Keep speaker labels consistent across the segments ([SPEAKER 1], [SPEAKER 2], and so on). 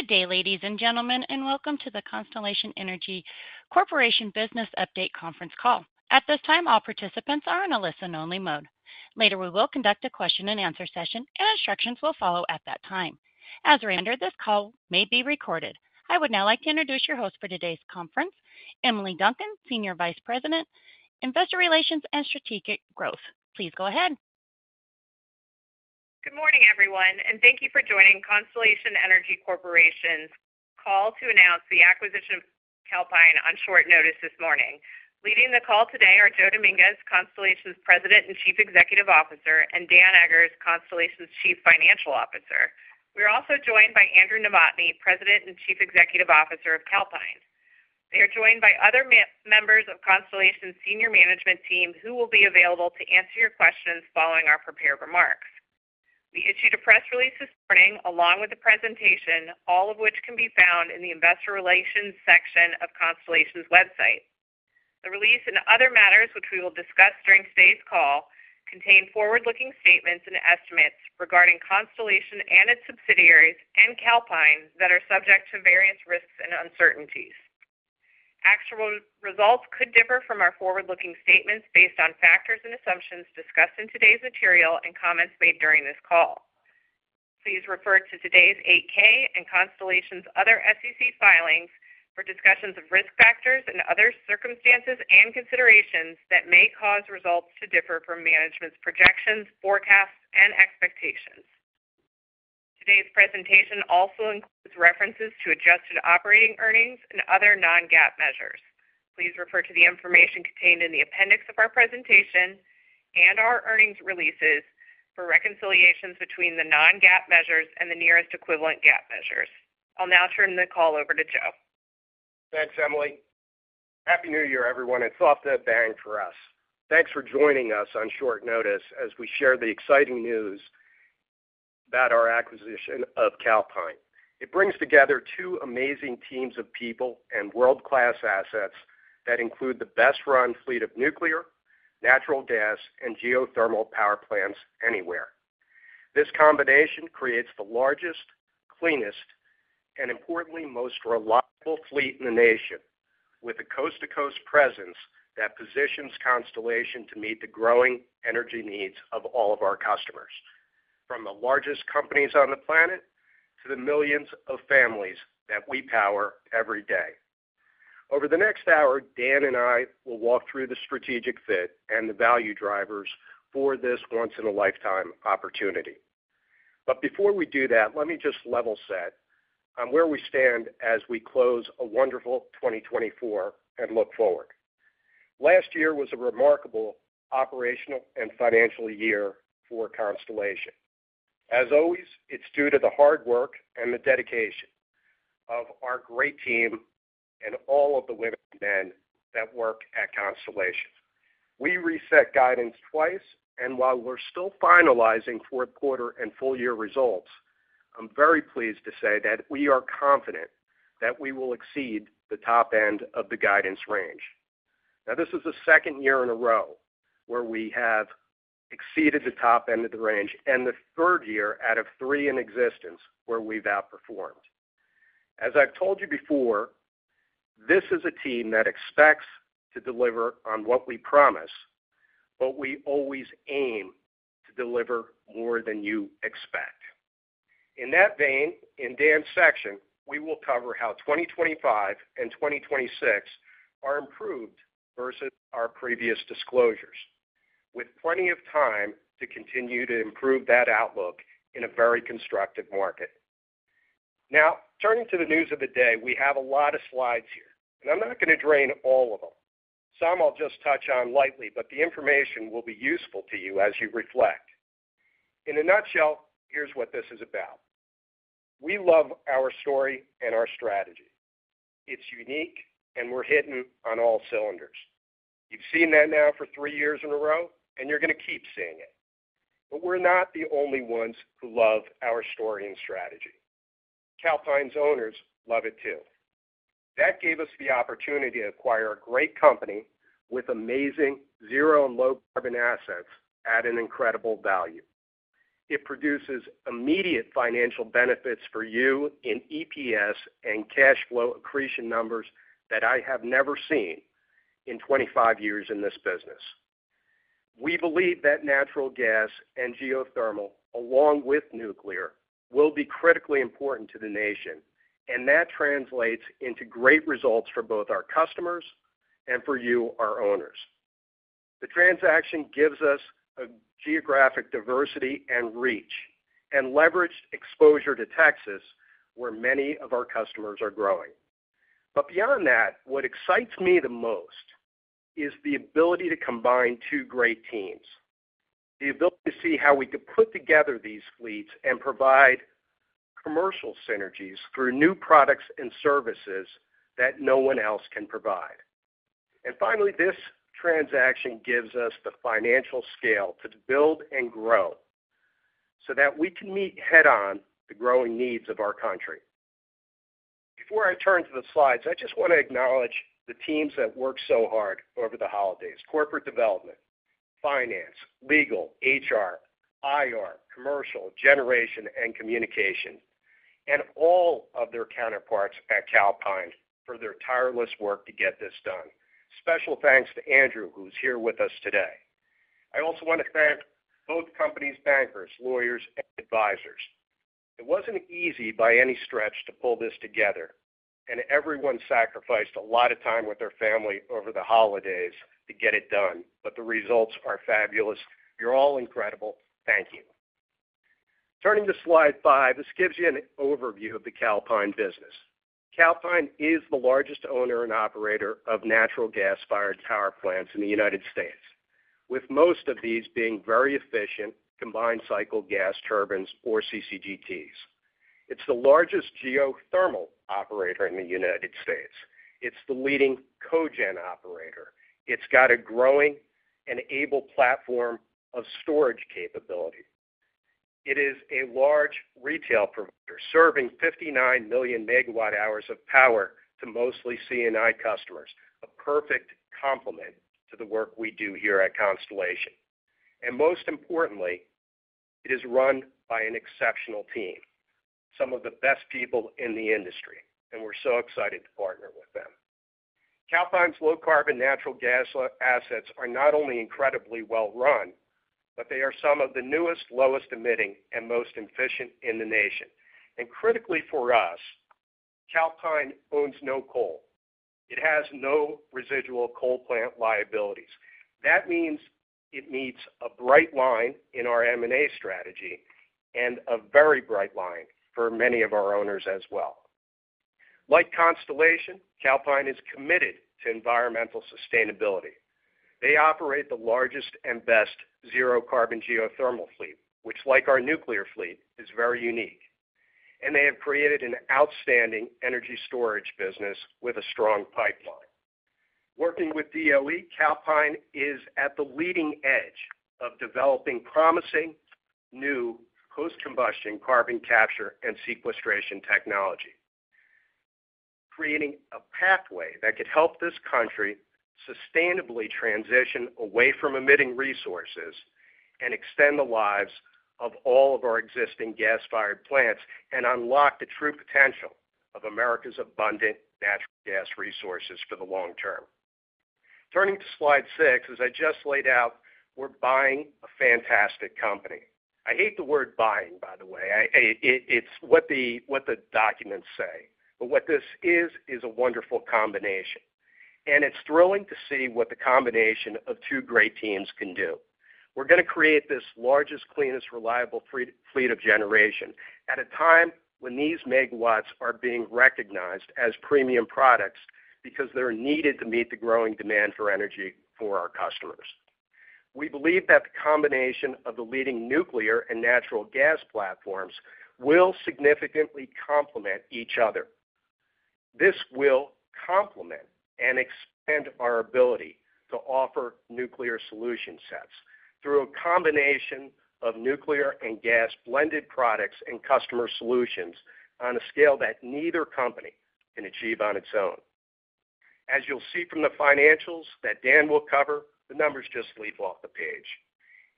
[SPEAKER 1] Good day, ladies and gentlemen, and welcome to the Constellation Energy Corporation business update conference call. At this time, all participants are in a listen-only mode. Later, we will conduct a question-and-answer session, and instructions will follow at that time. As a reminder, this call may be recorded. I would now like to introduce your host for today's conference, Emily Duncan, Senior Vice President, Investor Relations and Strategic Growth. Please go ahead.
[SPEAKER 2] Good morning, everyone, and thank you for joining Constellation Energy Corporation's call to announce the acquisition of Calpine on short notice this morning. Leading the call today are Joe Dominguez, Constellation's President and Chief Executive Officer, and Dan Eggers, Constellation's Chief Financial Officer. We're also joined by Andrew Novotny, President and Chief Executive Officer of Calpine. They are joined by other members of Constellation's senior management team who will be available to answer your questions following our prepared remarks. We issued a press release this morning along with the presentation, all of which can be found in the Investor Relations section of Constellation's website. The release and other matters which we will discuss during today's call contain forward-looking statements and estimates regarding Constellation and its subsidiaries and Calpine that are subject to various risks and uncertainties. Actual results could differ from our forward-looking statements based on factors and assumptions discussed in today's material and comments made during this call. Please refer to today's 8-K and Constellation's other SEC filings for discussions of risk factors and other circumstances and considerations that may cause results to differ from management's projections, forecasts, and expectations. Today's presentation also includes references to adjusted operating earnings and other non-GAAP measures. Please refer to the information contained in the appendix of our presentation and our earnings releases for reconciliations between the non-GAAP measures and the nearest equivalent GAAP measures. I'll now turn the call over to Joe.
[SPEAKER 3] Thanks, Emily. Happy New Year, everyone. It's off to a bang for us. Thanks for joining us on short notice as we share the exciting news about our acquisition of Calpine. It brings together two amazing teams of people and world-class assets that include the best-run fleet of nuclear, natural gas, and geothermal power plants anywhere. This combination creates the largest, cleanest, and importantly, most reliable fleet in the nation, with a coast-to-coast presence that positions Constellation to meet the growing energy needs of all of our customers, from the largest companies on the planet to the millions of families that we power every day. Over the next hour, Dan and I will walk through the strategic fit and the value drivers for this once-in-a-lifetime opportunity. But before we do that, let me just level set on where we stand as we close a wonderful 2024 and look forward. Last year was a remarkable operational and financial year for Constellation. As always, it's due to the hard work and the dedication of our great team and all of the women and men that work at Constellation. We reset guidance twice, and while we're still finalizing fourth-quarter and full-year results, I'm very pleased to say that we are confident that we will exceed the top end of the guidance range. Now, this is the second year in a row where we have exceeded the top end of the range and the third year out of three in existence where we've outperformed. As I've told you before, this is a team that expects to deliver on what we promise, but we always aim to deliver more than you expect. In that vein, in Dan's section, we will cover how 2025 and 2026 are improved versus our previous disclosures, with plenty of time to continue to improve that outlook in a very constructive market. Now, turning to the news of the day, we have a lot of slides here, and I'm not going to drain all of them. Some I'll just touch on lightly, but the information will be useful to you as you reflect. In a nutshell, here's what this is about. We love our story and our strategy. It's unique, and we're hitting on all cylinders. You've seen that now for three years in a row, and you're going to keep seeing it. But we're not the only ones who love our story and strategy. Calpine's owners love it too. That gave us the opportunity to acquire a great company with amazing zero and low-carbon assets at an incredible value. It produces immediate financial benefits for you in EPS and cash flow accretion numbers that I have never seen in 25 years in this business. We believe that natural gas and geothermal, along with nuclear, will be critically important to the nation, and that translates into great results for both our customers and for you, our owners. The transaction gives us a geographic diversity and reach and leveraged exposure to Texas, where many of our customers are growing. But beyond that, what excites me the most is the ability to combine two great teams, the ability to see how we could put together these fleets and provide commercial synergies through new products and services that no one else can provide. And finally, this transaction gives us the financial scale to build and grow so that we can meet head-on the growing needs of our country. Before I turn to the slides, I just want to acknowledge the teams that worked so hard over the holidays: corporate development, finance, legal, HR, IR, commercial, generation, and communication, and all of their counterparts at Calpine for their tireless work to get this done. Special thanks to Andrew, who's here with us today. I also want to thank both companies, bankers, lawyers, and advisors. It wasn't easy by any stretch to pull this together, and everyone sacrificed a lot of time with their family over the holidays to get it done, but the results are fabulous. You're all incredible. Thank you. Turning to slide five, this gives you an overview of the Calpine business. Calpine is the largest owner and operator of natural gas-fired power plants in the United States, with most of these being very efficient combined cycle gas turbines, or CCGTs. It's the largest geothermal operator in the United States. It's the leading cogen operator. It's got a growing and able platform of storage capability. It is a large retail provider serving 59 million MWh of power to mostly C&I customers, a perfect complement to the work we do here at Constellation. And most importantly, it is run by an exceptional team, some of the best people in the industry, and we're so excited to partner with them. Calpine's low-carbon natural gas assets are not only incredibly well-run, but they are some of the newest, lowest-emitting, and most efficient in the nation. And critically for us, Calpine owns no coal. It has no residual coal plant liabilities. That means it meets a bright line in our M&A strategy and a very bright line for many of our owners as well. Like Constellation, Calpine is committed to environmental sustainability. They operate the largest and best zero-carbon geothermal fleet, which, like our nuclear fleet, is very unique. And they have created an outstanding energy storage business with a strong pipeline. Working with DOE, Calpine is at the leading edge of developing promising new post-combustion carbon capture and sequestration technology, creating a pathway that could help this country sustainably transition away from emitting resources and extend the lives of all of our existing gas-fired plants and unlock the true potential of America's abundant natural gas resources for the long term. Turning to slide six, as I just laid out, we're buying a fantastic company. I hate the word buying, by the way. It's what the documents say. But what this is, is a wonderful combination. And it's thrilling to see what the combination of two great teams can do. We're going to create this largest, cleanest, reliable fleet of generation at a time when these megawatts are being recognized as premium products because they're needed to meet the growing demand for energy for our customers. We believe that the combination of the leading nuclear and natural gas platforms will significantly complement each other. This will complement and expand our ability to offer nuclear solution sets through a combination of nuclear and gas blended products and customer solutions on a scale that neither company can achieve on its own. As you'll see from the financials that Dan will cover, the numbers just leap off the page.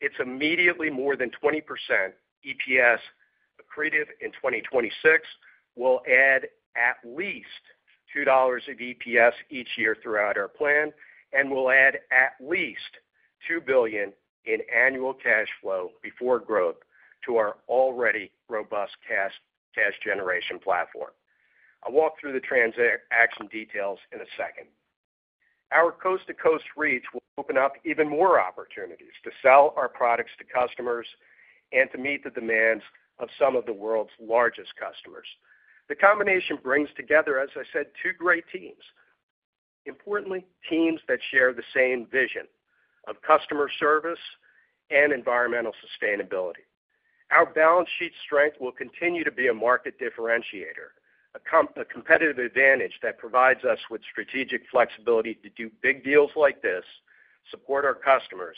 [SPEAKER 3] It's immediately more than 20% EPS accretive in 2026. We'll add at least $2 of EPS each year throughout our plan, and we'll add at least $2 billion in annual cash flow before growth to our already robust cash generation platform. I'll walk through the transaction details in a second. Our coast-to-coast reach will open up even more opportunities to sell our products to customers and to meet the demands of some of the world's largest customers. The combination brings together, as I said, two great teams. Importantly, teams that share the same vision of customer service and environmental sustainability. Our balance sheet strength will continue to be a market differentiator, a competitive advantage that provides us with strategic flexibility to do big deals like this, support our customers,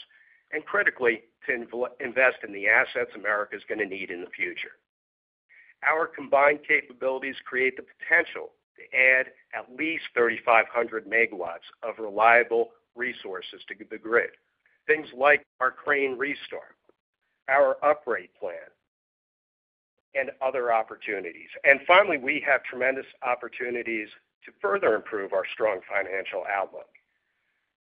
[SPEAKER 3] and critically, to invest in the assets America's going to need in the future. Our combined capabilities create the potential to add at least 3,500 MW of reliable resources to the grid, things like our Crane restart, our upgrade plan, and other opportunities. And finally, we have tremendous opportunities to further improve our strong financial outlook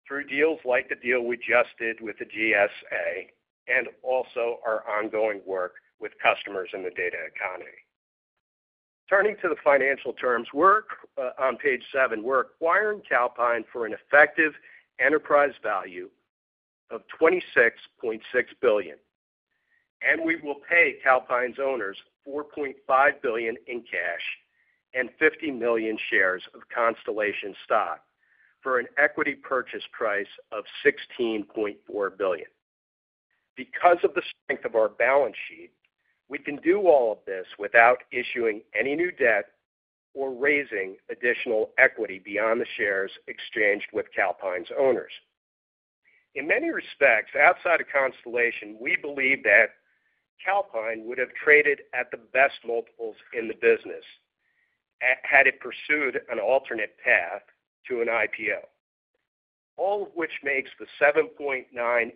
[SPEAKER 3] through deals like the deal we just did with the GSA and also our ongoing work with customers in the data economy. Turning to the financial terms, on page seven, we're acquiring Calpine for an effective enterprise value of $26.6 billion. And we will pay Calpine's owners $4.5 billion in cash and 50 million shares of Constellation stock for an equity purchase price of $16.4 billion. Because of the strength of our balance sheet, we can do all of this without issuing any new debt or raising additional equity beyond the shares exchanged with Calpine's owners. In many respects, outside of Constellation, we believe that Calpine would have traded at the best multiples in the business had it pursued an alternate path to an IPO, all of which makes the 7.9x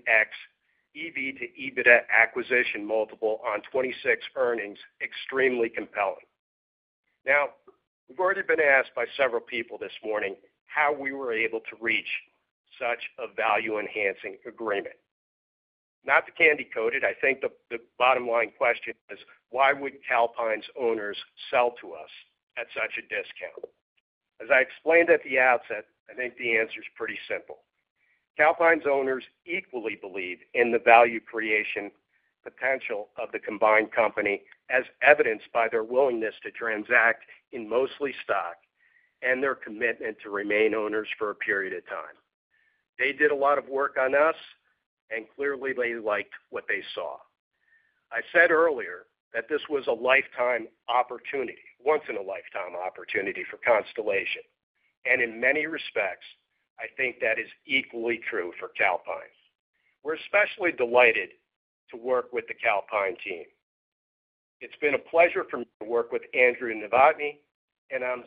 [SPEAKER 3] EV to EBITDA acquisition multiple on 2026 earnings extremely compelling. Now, we've already been asked by several people this morning how we were able to reach such a value-enhancing agreement. Not to candy coat it, I think the bottom line question is, why would Calpine's owners sell to us at such a discount? As I explained at the outset, I think the answer is pretty simple. Calpine's owners equally believe in the value creation potential of the combined company, as evidenced by their willingness to transact in mostly stock and their commitment to remain owners for a period of time. They did a lot of work on us, and clearly, they liked what they saw. I said earlier that this was a lifetime opportunity, once-in-a-lifetime opportunity for Constellation, and in many respects, I think that is equally true for Calpine. We're especially delighted to work with the Calpine team. It's been a pleasure for me to work with Andrew Novotny, and I'm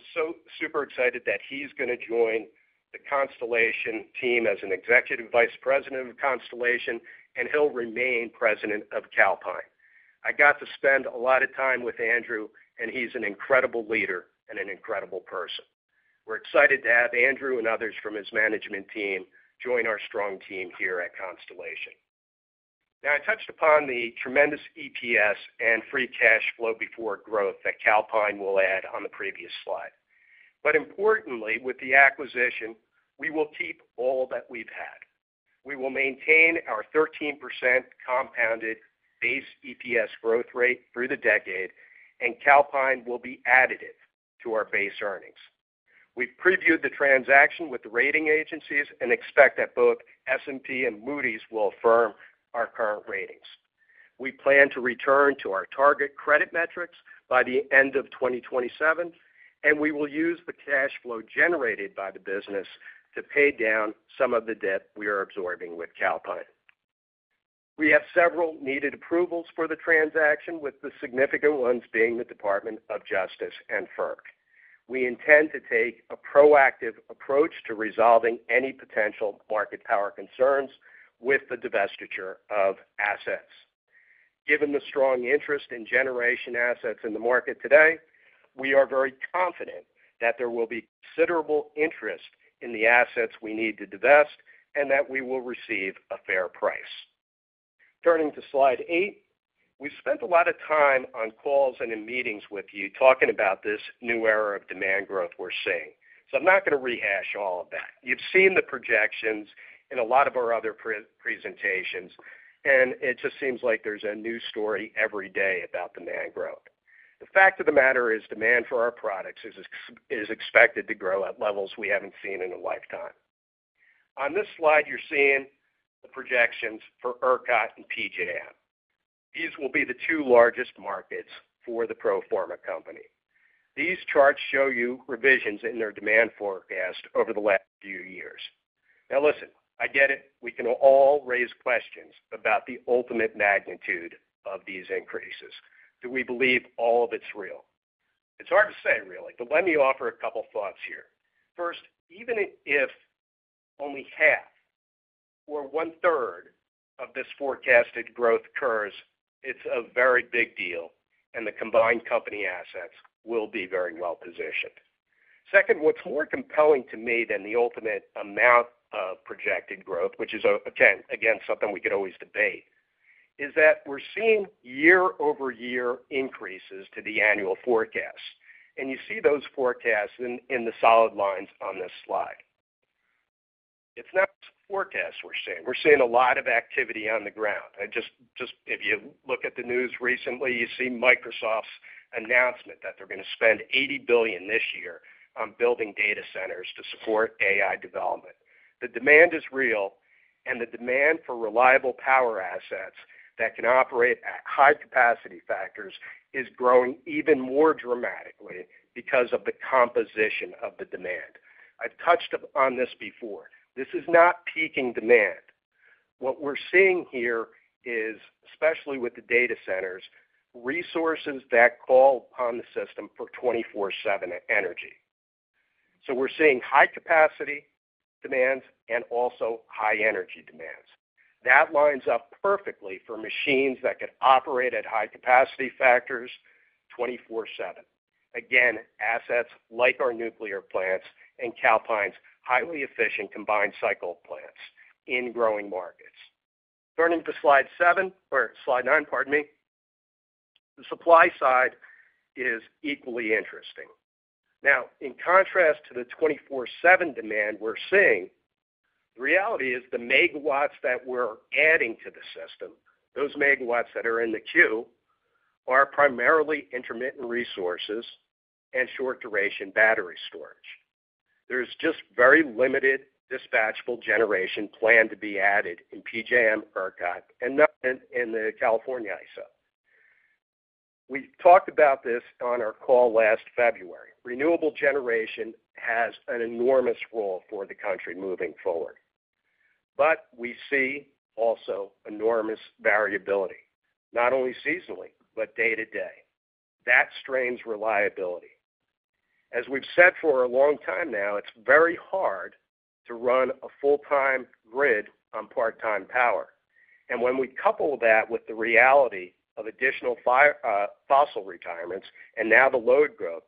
[SPEAKER 3] super excited that he's going to join the Constellation team as an Executive Vice President of Constellation, and he'll remain President of Calpine. I got to spend a lot of time with Andrew, and he's an incredible leader and an incredible person. We're excited to have Andrew and others from his management team join our strong team here at Constellation. Now, I touched upon the tremendous EPS and free cash flow before growth that Calpine will add on the previous slide, but importantly, with the acquisition, we will keep all that we've had. We will maintain our 13% compounded base EPS growth rate through the decade, and Calpine will be additive to our base earnings. We've previewed the transaction with the rating agencies and expect that both S&P and Moody's will affirm our current ratings. We plan to return to our target credit metrics by the end of 2027, and we will use the cash flow generated by the business to pay down some of the debt we are absorbing with Calpine. We have several needed approvals for the transaction, with the significant ones being the Department of Justice and FERC. We intend to take a proactive approach to resolving any potential market power concerns with the divestiture of assets. Given the strong interest in generation assets in the market today, we are very confident that there will be considerable interest in the assets we need to divest and that we will receive a fair price. Turning to slide eight, we've spent a lot of time on calls and in meetings with you talking about this new era of demand growth we're seeing. So I'm not going to rehash all of that. You've seen the projections in a lot of our other presentations, and it just seems like there's a new story every day about demand growth. The fact of the matter is demand for our products is expected to grow at levels we haven't seen in a lifetime. On this slide, you're seeing the projections for ERCOT and PJM. These will be the two largest markets for the pro forma company. These charts show you revisions in their demand forecast over the last few years. Now, listen, I get it. We can all raise questions about the ultimate magnitude of these increases. Do we believe all of it's real? It's hard to say, really, but let me offer a couple of thoughts here. First, even if only half or one-third of this forecasted growth occurs, it's a very big deal, and the combined company assets will be very well positioned. Second, what's more compelling to me than the ultimate amount of projected growth, which is, again, something we could always debate, is that we're seeing year-over-year increases to the annual forecast. And you see those forecasts in the solid lines on this slide. It's not just forecasts we're seeing. We're seeing a lot of activity on the ground. Just if you look at the news recently, you see Microsoft's announcement that they're going to spend $80 billion this year on building data centers to support AI development. The demand is real, and the demand for reliable power assets that can operate at high capacity factors is growing even more dramatically because of the composition of the demand. I've touched on this before. This is not peaking demand. What we're seeing here is, especially with the data centers, resources that call upon the system for 24/7 energy. So we're seeing high-capacity demands and also high-energy demands. That lines up perfectly for machines that could operate at high-capacity factors 24/7. Again, assets like our nuclear plants and Calpine's highly efficient combined cycle plants in growing markets. Turning to slide seven or slide nine, pardon me, the supply side is equally interesting. Now, in contrast to the 24/7 demand we're seeing, the reality is the megawatts that we're adding to the system, those megawatts that are in the queue, are primarily intermittent resources and short-duration battery storage. There's just very limited dispatchable generation planned to be added in PJM, ERCOT, and in the California ISO. We talked about this on our call last February. Renewable generation has an enormous role for the country moving forward. But we see also enormous variability, not only seasonally, but day-to-day. That strains reliability. As we've said for a long time now, it's very hard to run a full-time grid on part-time power. And when we couple that with the reality of additional fossil retirements and now the load growth,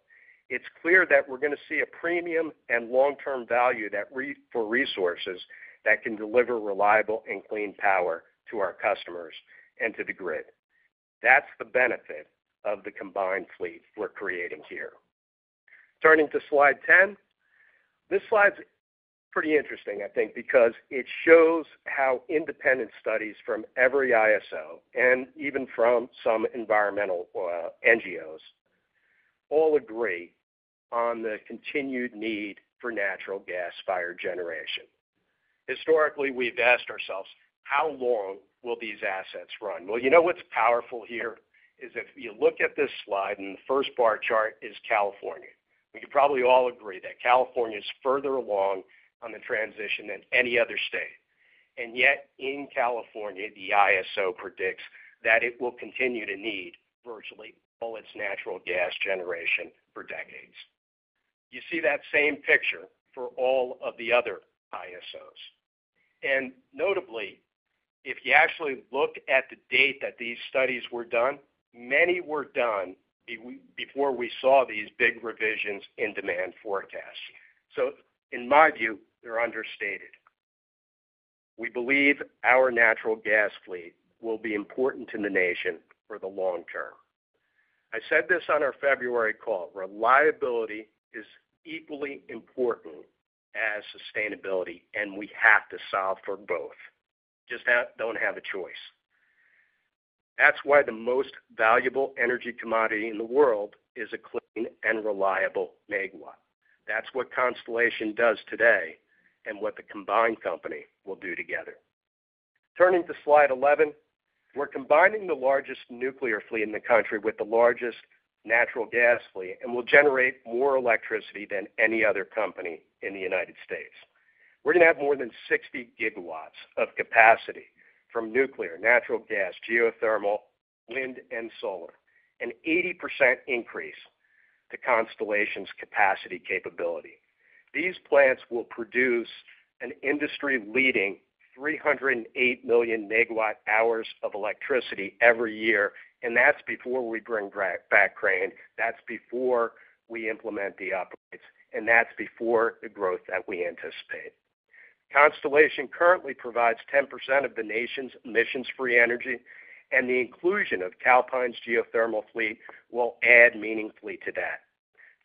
[SPEAKER 3] it's clear that we're going to see a premium and long-term value for resources that can deliver reliable and clean power to our customers and to the grid. That's the benefit of the combined fleet we're creating here. Turning to slide 10, this slide's pretty interesting, I think, because it shows how independent studies from every ISO and even from some environmental NGOs all agree on the continued need for natural gas-fired generation. Historically, we've asked ourselves, how long will these assets run? Well, you know what's powerful here is if you look at this slide, and the first bar chart is California. We can probably all agree that California is further along on the transition than any other state. And yet, in California, the ISO predicts that it will continue to need virtually all its natural gas generation for decades. You see that same picture for all of the other ISOs. And notably, if you actually look at the date that these studies were done, many were done before we saw these big revisions in demand forecasts. So in my view, they're understated. We believe our natural gas fleet will be important to the nation for the long term. I said this on our February call. Reliability is equally important as sustainability, and we have to solve for both. Just don't have a choice. That's why the most valuable energy commodity in the world is a clean and reliable megawatt. That's what Constellation does today and what the combined company will do together. Turning to slide 11, we're combining the largest nuclear fleet in the country with the largest natural gas fleet and will generate more electricity than any other company in the United States. We're going to have more than 60 GW of capacity from nuclear, natural gas, geothermal, wind, and solar, an 80% increase to Constellation's capacity capability. These plants will produce an industry-leading 308 million MWh of electricity every year, and that's before we bring back Crane. That's before we implement the upgrades, and that's before the growth that we anticipate. Constellation currently provides 10% of the nation's emissions-free energy, and the inclusion of Calpine's geothermal fleet will add meaningfully to that.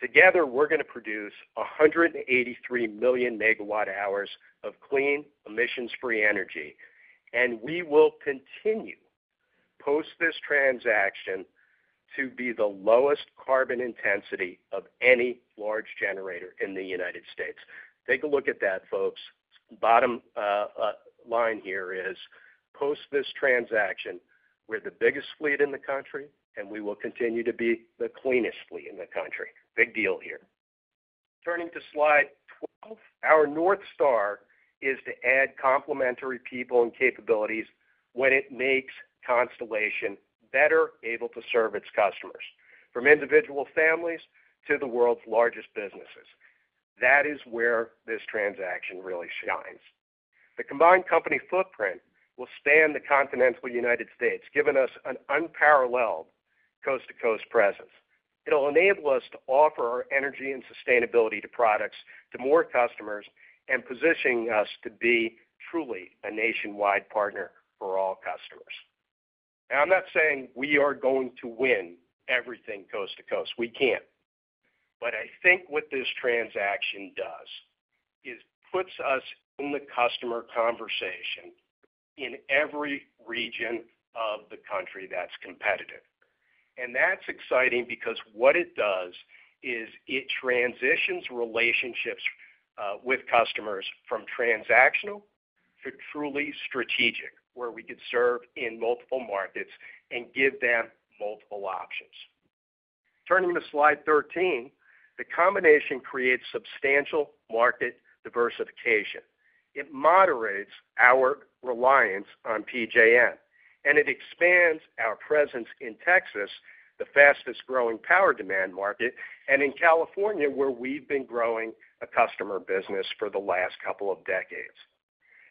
[SPEAKER 3] Together, we're going to produce 183 million MWh of clean emissions-free energy, and we will continue post this transaction to be the lowest carbon intensity of any large generator in the United States. Take a look at that, folks. Bottom line here is post this transaction, we're the biggest fleet in the country, and we will continue to be the cleanest fleet in the country. Big deal here. Turning to slide 12, our north star is to add complementary people and capabilities when it makes Constellation better able to serve its customers, from individual families to the world's largest businesses. That is where this transaction really shines. The combined company footprint will span the continental United States, giving us an unparalleled coast-to-coast presence. It'll enable us to offer our energy and sustainability products to more customers and positioning us to be truly a nationwide partner for all customers. Now, I'm not saying we are going to win everything coast-to-coast. We can't. But I think what this transaction does is puts us in the customer conversation in every region of the country that's competitive. And that's exciting because what it does is it transitions relationships with customers from transactional to truly strategic, where we could serve in multiple markets and give them multiple options. Turning to slide 13, the combination creates substantial market diversification. It moderates our reliance on PJM, and it expands our presence in Texas, the fastest-growing power demand market, and in California, where we've been growing a customer business for the last couple of decades.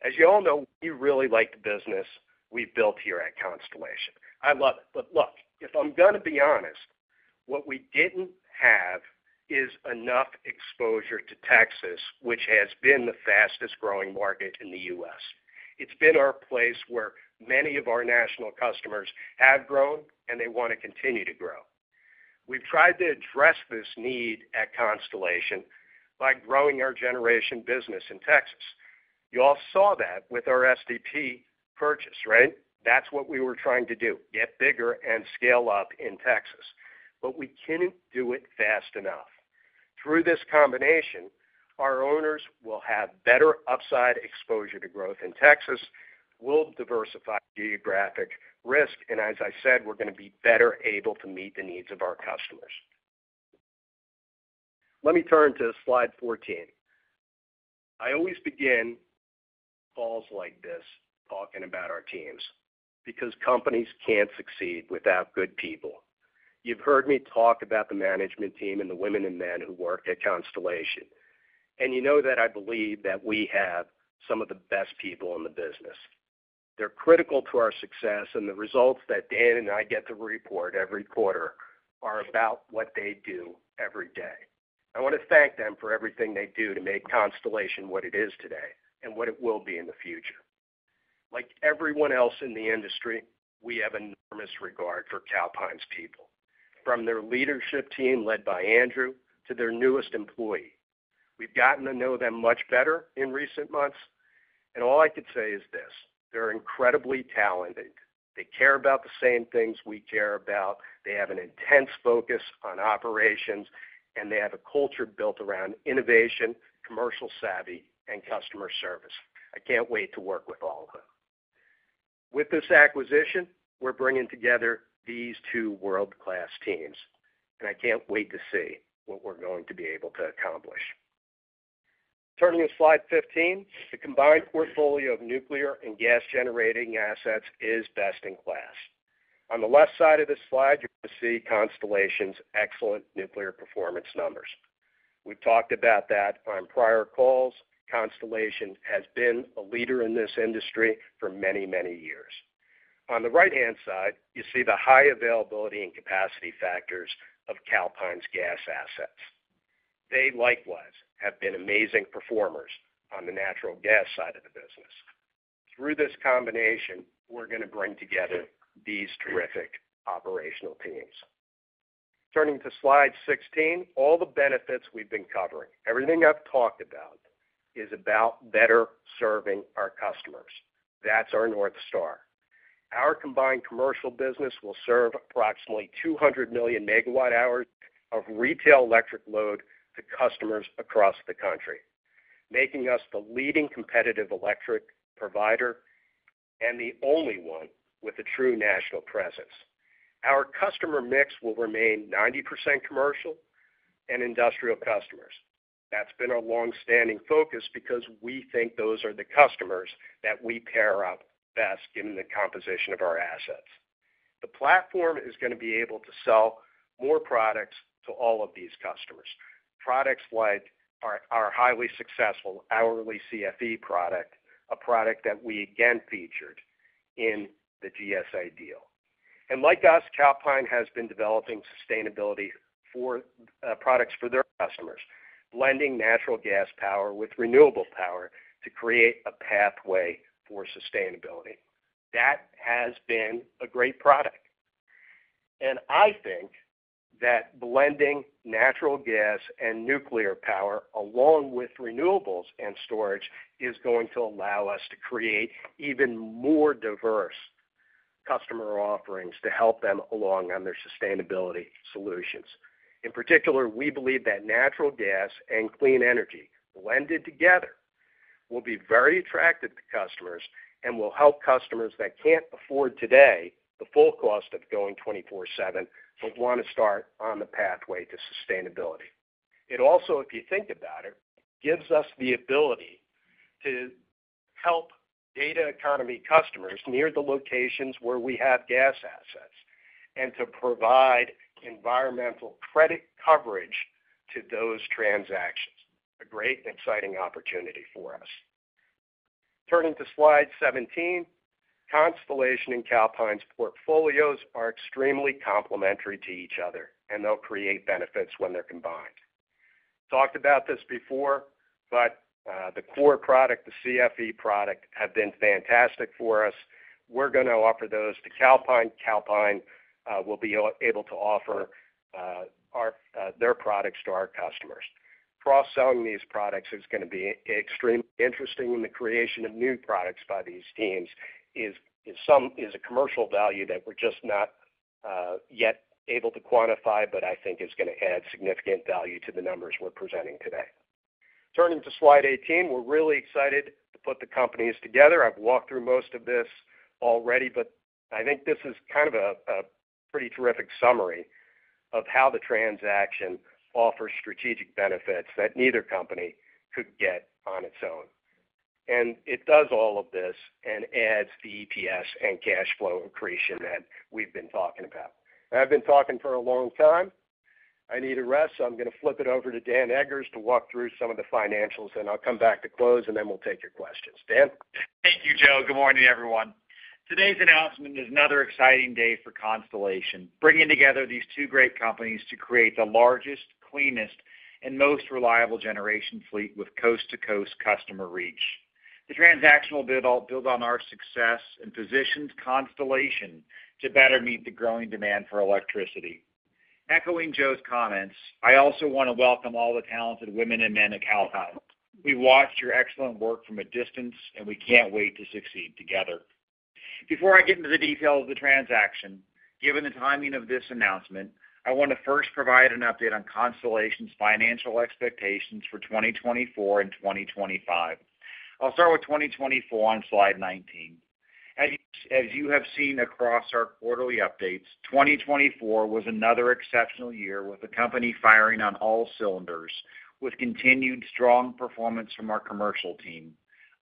[SPEAKER 3] As you all know, we really like the business we've built here at Constellation. I love it. But look, if I'm going to be honest, what we didn't have is enough exposure to Texas, which has been the fastest-growing market in the U.S. It's been our place where many of our national customers have grown, and they want to continue to grow. We've tried to address this need at Constellation by growing our generation business in Texas. You all saw that with our STP purchase, right? That's what we were trying to do, get bigger and scale up in Texas. But we couldn't do it fast enough. Through this combination, our owners will have better upside exposure to growth in Texas, will diversify geographic risk, and as I said, we're going to be better able to meet the needs of our customers. Let me turn to slide 14. I always begin calls like this talking about our teams because companies can't succeed without good people. You've heard me talk about the management team and the women and men who work at Constellation, and you know that I believe that we have some of the best people in the business. They're critical to our success, and the results that Dan and I get to report every quarter are about what they do every day. I want to thank them for everything they do to make Constellation what it is today and what it will be in the future. Like everyone else in the industry, we have enormous regard for Calpine's people, from their leadership team led by Andrew to their newest employee. We've gotten to know them much better in recent months, and all I could say is this: they're incredibly talented. They care about the same things we care about. They have an intense focus on operations, and they have a culture built around innovation, commercial savvy, and customer service. I can't wait to work with all of them. With this acquisition, we're bringing together these two world-class teams, and I can't wait to see what we're going to be able to accomplish. Turning to slide 15, the combined portfolio of nuclear and gas-generating assets is best in class. On the left side of this slide, you're going to see Constellation's excellent nuclear performance numbers. We've talked about that on prior calls. Constellation has been a leader in this industry for many, many years. On the right-hand side, you see the high availability and capacity factors of Calpine's gas assets. They likewise have been amazing performers on the natural gas side of the business. Through this combination, we're going to bring together these terrific operational teams. Turning to slide 16, all the benefits we've been covering, everything I've talked about, is about better serving our customers. That's our north star. Our combined commercial business will serve approximately 200 million MWh of retail electric load to customers across the country, making us the leading competitive electric provider and the only one with a true national presence. Our customer mix will remain 90% commercial and industrial customers. That's been our long-standing focus because we think those are the customers that we pair up best given the composition of our assets. The platform is going to be able to sell more products to all of these customers, products like our highly successful hourly CFE product, a product that we again featured in the GSA deal. And like us, Calpine has been developing sustainability products for their customers, blending natural gas power with renewable power to create a pathway for sustainability. That has been a great product. I think that blending natural gas and nuclear power along with renewables and storage is going to allow us to create even more diverse customer offerings to help them along on their sustainability solutions. In particular, we believe that natural gas and clean energy blended together will be very attractive to customers and will help customers that can't afford today the full cost of going 24/7 but want to start on the pathway to sustainability. It also, if you think about it, gives us the ability to help data economy customers near the locations where we have gas assets and to provide environmental credit coverage to those transactions. A great and exciting opportunity for us. Turning to slide 17, Constellation and Calpine's portfolios are extremely complementary to each other, and they'll create benefits when they're combined. Talked about this before, but the core product, the CFE product, has been fantastic for us. We're going to offer those to Calpine. Calpine will be able to offer their products to our customers. Cross-selling these products is going to be extremely interesting, and the creation of new products by these teams is a commercial value that we're just not yet able to quantify, but I think is going to add significant value to the numbers we're presenting today. Turning to slide 18, we're really excited to put the companies together. I've walked through most of this already, but I think this is kind of a pretty terrific summary of how the transaction offers strategic benefits that neither company could get on its own, and it does all of this and adds the EPS and cash flow accretion that we've been talking about. I've been talking for a long time. I need a rest, so I'm going to flip it over to Dan Eggers to walk through some of the financials, and I'll come back to close, and then we'll take your questions. Dan?
[SPEAKER 4] Thank you, Joe. Good morning, everyone. Today's announcement is another exciting day for Constellation, bringing together these two great companies to create the largest, cleanest, and most reliable generation fleet with coast-to-coast customer reach. The transaction builds on our success and positions Constellation to better meet the growing demand for electricity. Echoing Joe's comments, I also want to welcome all the talented women and men at Calpine. We've watched your excellent work from a distance, and we can't wait to succeed together. Before I get into the details of the transaction, given the timing of this announcement, I want to first provide an update on Constellation's financial expectations for 2024 and 2025. I'll start with 2024 on slide 19. As you have seen across our quarterly updates, 2024 was another exceptional year with the company firing on all cylinders, with continued strong performance from our commercial team,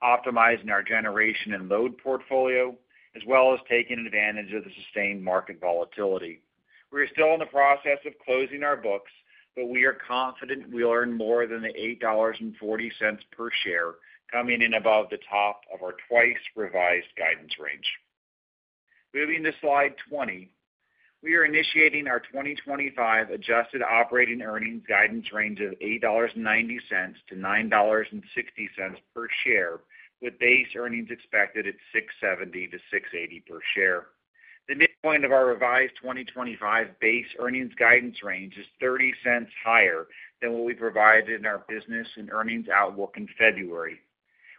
[SPEAKER 4] optimizing our generation and load portfolio, as well as taking advantage of the sustained market volatility. We are still in the process of closing our books, but we are confident we'll earn more than the $8.40 per share coming in above the top of our twice-revised guidance range. Moving to slide 20, we are initiating our 2025 adjusted operating earnings guidance range of $8.90-$9.60 per share, with base earnings expected at $6.70-$6.80 per share. The midpoint of our revised 2025 base earnings guidance range is $0.30 higher than what we provided in our business and earnings outlook in February.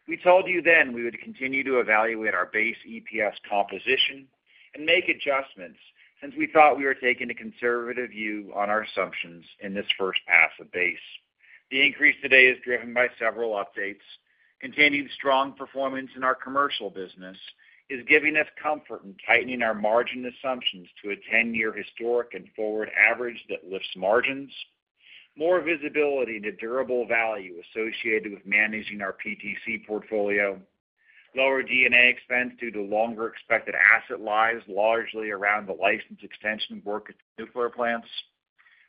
[SPEAKER 4] We told you then we would continue to evaluate our base EPS composition and make adjustments since we thought we were taking a conservative view on our assumptions in this first pass of base. The increase today is driven by several updates. Continued strong performance in our commercial business is giving us comfort in tightening our margin assumptions to a 10-year historic and forward average that lifts margins, more visibility to durable value associated with managing our PTC portfolio, lower D&A expense due to longer expected asset lives largely around the license extension work at the nuclear plants,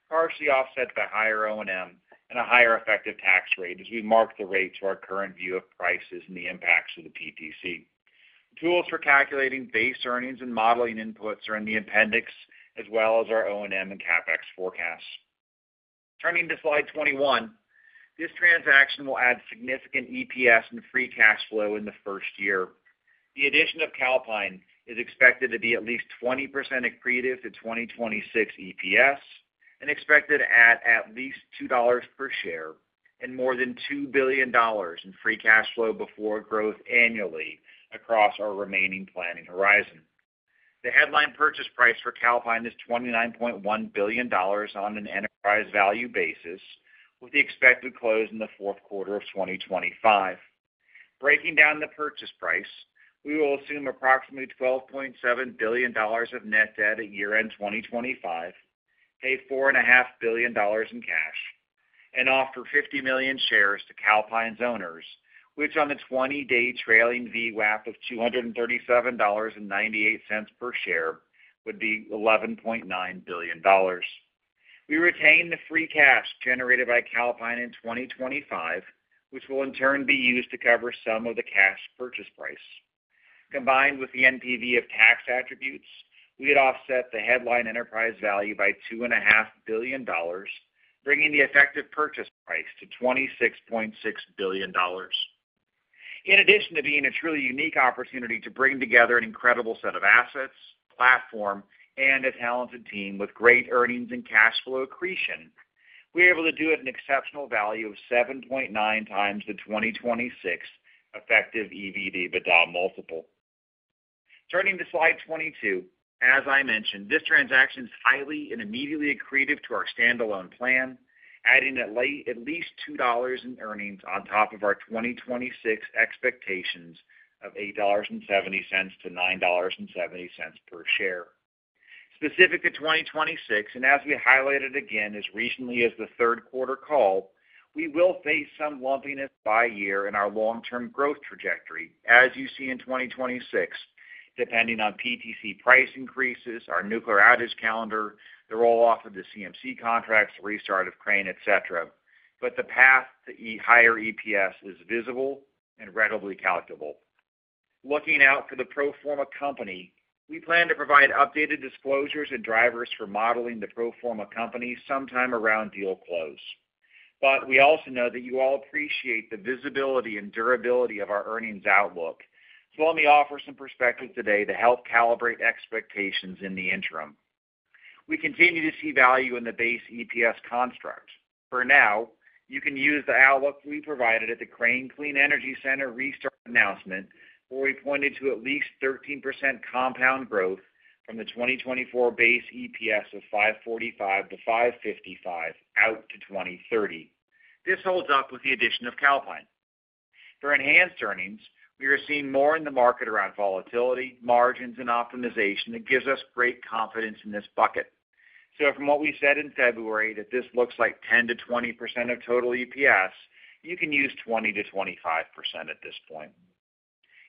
[SPEAKER 4] partially offset by higher O&M and a higher effective tax rate as we mark the rate to our current view of prices and the impacts of the PTC. Tools for calculating base earnings and modeling inputs are in the appendix, as well as our O&M and CapEx forecasts. Turning to slide 21, this transaction will add significant EPS and free cash flow in the first year. The addition of Calpine is expected to be at least 20% accretive to 2026 EPS and expected to add at least $2 per share and more than $2 billion in free cash flow before growth annually across our remaining planning horizon. The headline purchase price for Calpine is $29.1 billion on an enterprise value basis, with the expected close in the fourth quarter of 2025. Breaking down the purchase price, we will assume approximately $12.7 billion of net debt at year-end 2025, pay $4.5 billion in cash, and offer 50 million shares to Calpine's owners, which on the 20-day trailing VWAP of $237.98 per share would be $11.9 billion. We retain the free cash generated by Calpine in 2025, which will in turn be used to cover some of the cash purchase price. Combined with the NPV of tax attributes, we'd offset the headline enterprise value by $2.5 billion, bringing the effective purchase price to $26.6 billion. In addition to being a truly unique opportunity to bring together an incredible set of assets, platform, and a talented team with great earnings and cash flow accretion, we're able to do it at an exceptional value of 7.9x the 2026 effective EV/EBITDA multiple. Turning to slide 22, as I mentioned, this transaction is highly and immediately accretive to our standalone plan, adding at least $2 in earnings on top of our 2026 expectations of $8.70-$9.70 per share. Specific to 2026, and as we highlighted again as recently as the third quarter call, we will face some lumpiness by year in our long-term growth trajectory, as you see in 2026, depending on PTC price increases, our nuclear outage calendar, the roll-off of the CMC contracts, restart of Crane, etc. But the path to higher EPS is visible and readily calculable. Looking out for the pro forma company, we plan to provide updated disclosures and drivers for modeling the pro forma company sometime around deal close. But we also know that you all appreciate the visibility and durability of our earnings outlook, so let me offer some perspective today to help calibrate expectations in the interim. We continue to see value in the base EPS construct. For now, you can use the outlook we provided at the Crane Clean Energy Center restart announcement, where we pointed to at least 13% compound growth from the 2024 base EPS of $5.45-$5.55 out to 2030. This holds up with the addition of Calpine. For enhanced earnings, we are seeing more in the market around volatility, margins, and optimization that gives us great confidence in this bucket. So from what we said in February that this looks like 10%-20% of total EPS, you can use 20%-25% at this point.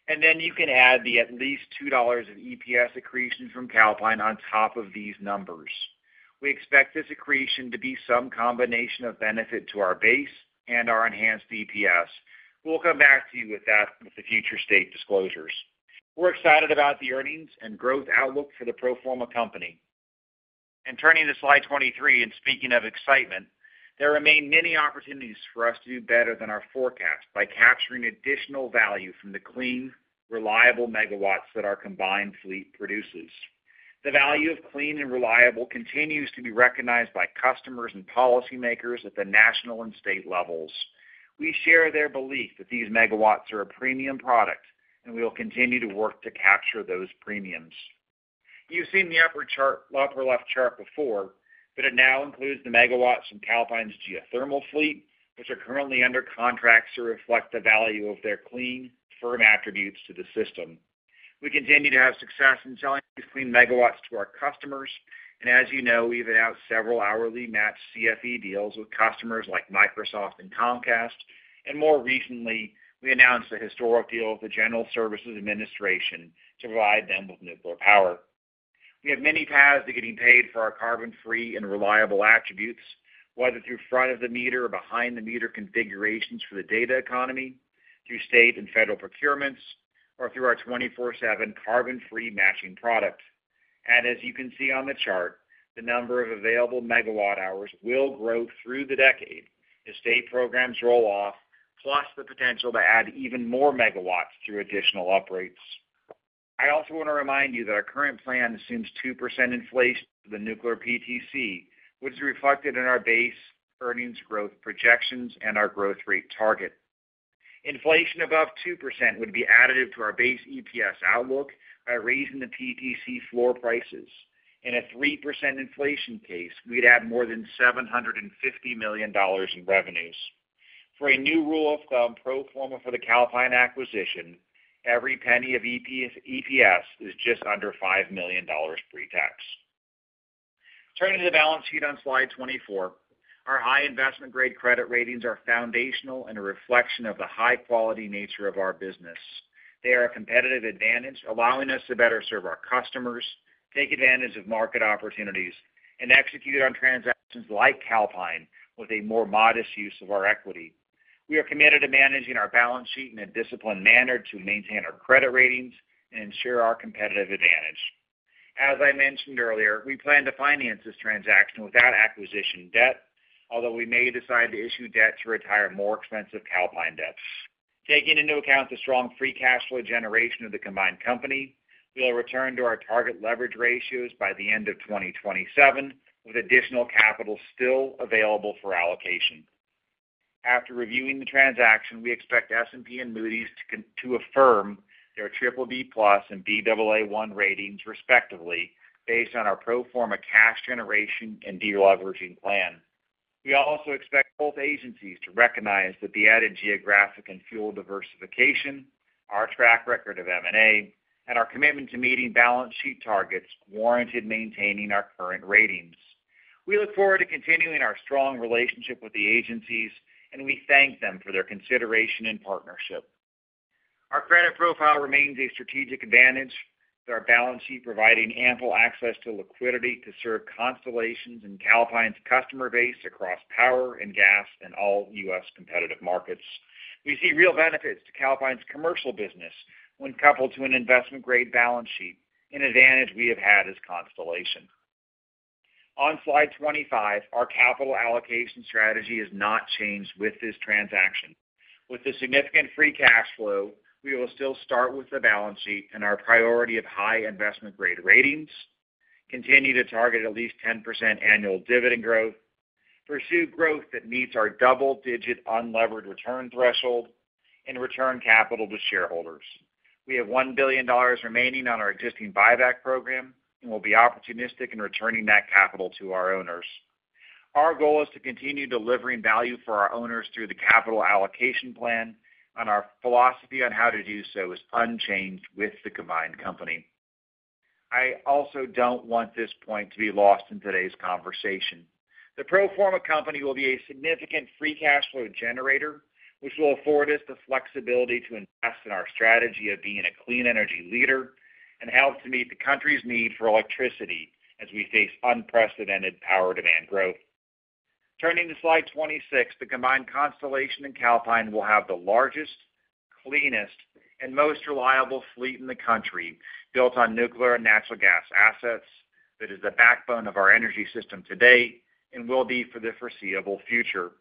[SPEAKER 4] And then you can add the at least $2 of EPS accretion from Calpine on top of these numbers. We expect this accretion to be some combination of benefit to our base and our enhanced EPS. We'll come back to you with that with the future state disclosures. We're excited about the earnings and growth outlook for the pro forma company, and turning to slide 23, and speaking of excitement, there remain many opportunities for us to do better than our forecast by capturing additional value from the clean, reliable megawatts that our combined fleet produces. The value of clean and reliable continues to be recognized by customers and policymakers at the national and state levels. We share their belief that these megawatts are a premium product, and we will continue to work to capture those premiums. You've seen the upper left chart before, but it now includes the megawatts from Calpine's geothermal fleet, which are currently under contracts to reflect the value of their clean, firm attributes to the system. We continue to have success in selling these clean megawatts to our customers, and as you know, we've announced several hourly match CFE deals with customers like Microsoft and Comcast, and more recently, we announced a historic deal with the General Services Administration to provide them with nuclear power. We have many paths to getting paid for our carbon-free and reliable attributes, whether through front-of-the-meter or behind-the-meter configurations for the data economy, through state and federal procurements, or through our 24/7 carbon-free matching product. And as you can see on the chart, the number of available megawatt hours will grow through the decade as state programs roll off, plus the potential to add even more megawatts through additional uprates. I also want to remind you that our current plan assumes 2% inflation for the nuclear PTC, which is reflected in our base earnings growth projections and our growth rate target. Inflation above 2% would be additive to our base EPS outlook by raising the PTC floor prices. In a 3% inflation case, we'd add more than $750 million in revenues. For a new rule of thumb pro forma for the Calpine acquisition, every penny of EPS is just under $5 million pre-tax. Turning to the balance sheet on slide 24, our high investment-grade credit ratings are foundational and a reflection of the high-quality nature of our business. They are a competitive advantage, allowing us to better serve our customers, take advantage of market opportunities, and execute on transactions like Calpine with a more modest use of our equity. We are committed to managing our balance sheet in a disciplined manner to maintain our credit ratings and ensure our competitive advantage. As I mentioned earlier, we plan to finance this transaction without acquisition debt, although we may decide to issue debt to retire more expensive Calpine debts. Taking into account the strong free cash flow generation of the combined company, we'll return to our target leverage ratios by the end of 2027, with additional capital still available for allocation. After reviewing the transaction, we expect S&P and Moody's to affirm their BBB+ and Baa1 ratings, respectively, based on our pro forma cash generation and de-leveraging plan. We also expect both agencies to recognize that the added geographic and fuel diversification, our track record of M&A, and our commitment to meeting balance sheet targets warranted maintaining our current ratings. We look forward to continuing our strong relationship with the agencies, and we thank them for their consideration and partnership. Our credit profile remains a strategic advantage, with our balance sheet providing ample access to liquidity to serve Constellation's and Calpine's customer base across power and gas and all U.S. competitive markets. We see real benefits to Calpine's commercial business when coupled to an investment-grade balance sheet, an advantage we have had as Constellation. On slide 25, our capital allocation strategy has not changed with this transaction. With the significant free cash flow, we will still start with the balance sheet and our priority of high investment-grade ratings, continue to target at least 10% annual dividend growth, pursue growth that meets our double-digit unleveraged return threshold, and return capital to shareholders. We have $1 billion remaining on our existing buyback program, and we'll be opportunistic in returning that capital to our owners. Our goal is to continue delivering value for our owners through the capital allocation plan, and our philosophy on how to do so is unchanged with the combined company. I also don't want this point to be lost in today's conversation. The pro forma company will be a significant free cash flow generator, which will afford us the flexibility to invest in our strategy of being a clean energy leader and help to meet the country's need for electricity as we face unprecedented power demand growth. Turning to slide 26, the combined Constellation and Calpine will have the largest, cleanest, and most reliable fleet in the country built on nuclear and natural gas assets that is the backbone of our energy system today and will be for the foreseeable future.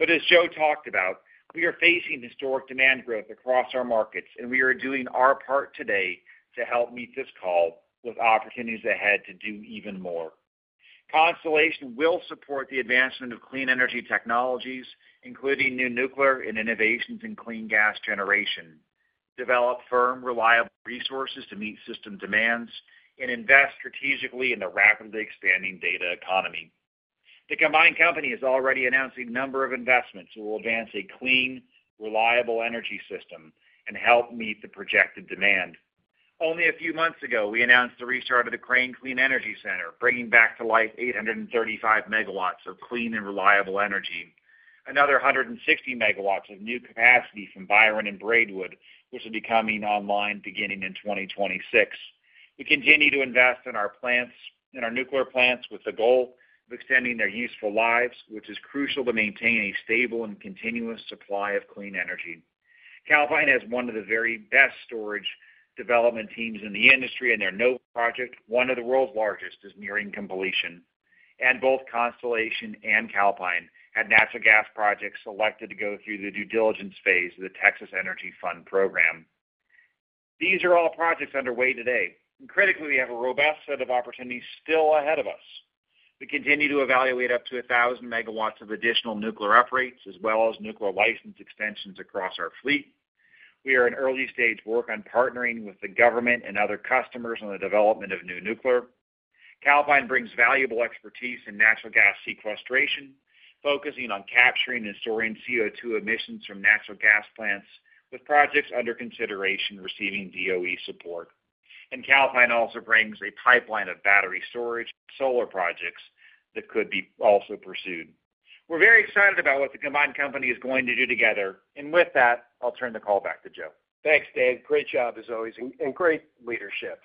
[SPEAKER 4] But as Joe talked about, we are facing historic demand growth across our markets, and we are doing our part today to help meet this call with opportunities ahead to do even more. Constellation will support the advancement of clean energy technologies, including new nuclear and innovations in clean gas generation, develop firm, reliable resources to meet system demands, and invest strategically in the rapidly expanding data economy. The combined company has already announced a number of investments that will advance a clean, reliable energy system and help meet the projected demand. Only a few months ago, we announced the restart of the Crane Clean Energy Center, bringing back to life 835 MW of clean and reliable energy, another 160 MW of new capacity from Byron and Braidwood, which will be coming online beginning in 2026. We continue to invest in our nuclear plants with the goal of extending their useful lives, which is crucial to maintain a stable and continuous supply of clean energy. Calpine has one of the very best storage development teams in the industry, and their Nova project, one of the world's largest, is nearing completion, and both Constellation and Calpine had natural gas projects selected to go through the due diligence phase of the Texas Energy Fund program. These are all projects underway today, and critically, we have a robust set of opportunities still ahead of us. We continue to evaluate up to 1,000 MW of additional nuclear uprates, as well as nuclear license extensions across our fleet. We are in early stage work on partnering with the government and other customers on the development of new nuclear. Calpine brings valuable expertise in natural gas sequestration, focusing on capturing and storing CO2 emissions from natural gas plants, with projects under consideration receiving DOE support, and Calpine also brings a pipeline of battery storage and solar projects that could be also pursued. We're very excited about what the combined company is going to do together, and with that, I'll turn the call back to Joe.
[SPEAKER 3] Thanks, Dan. Great job, as always, and great leadership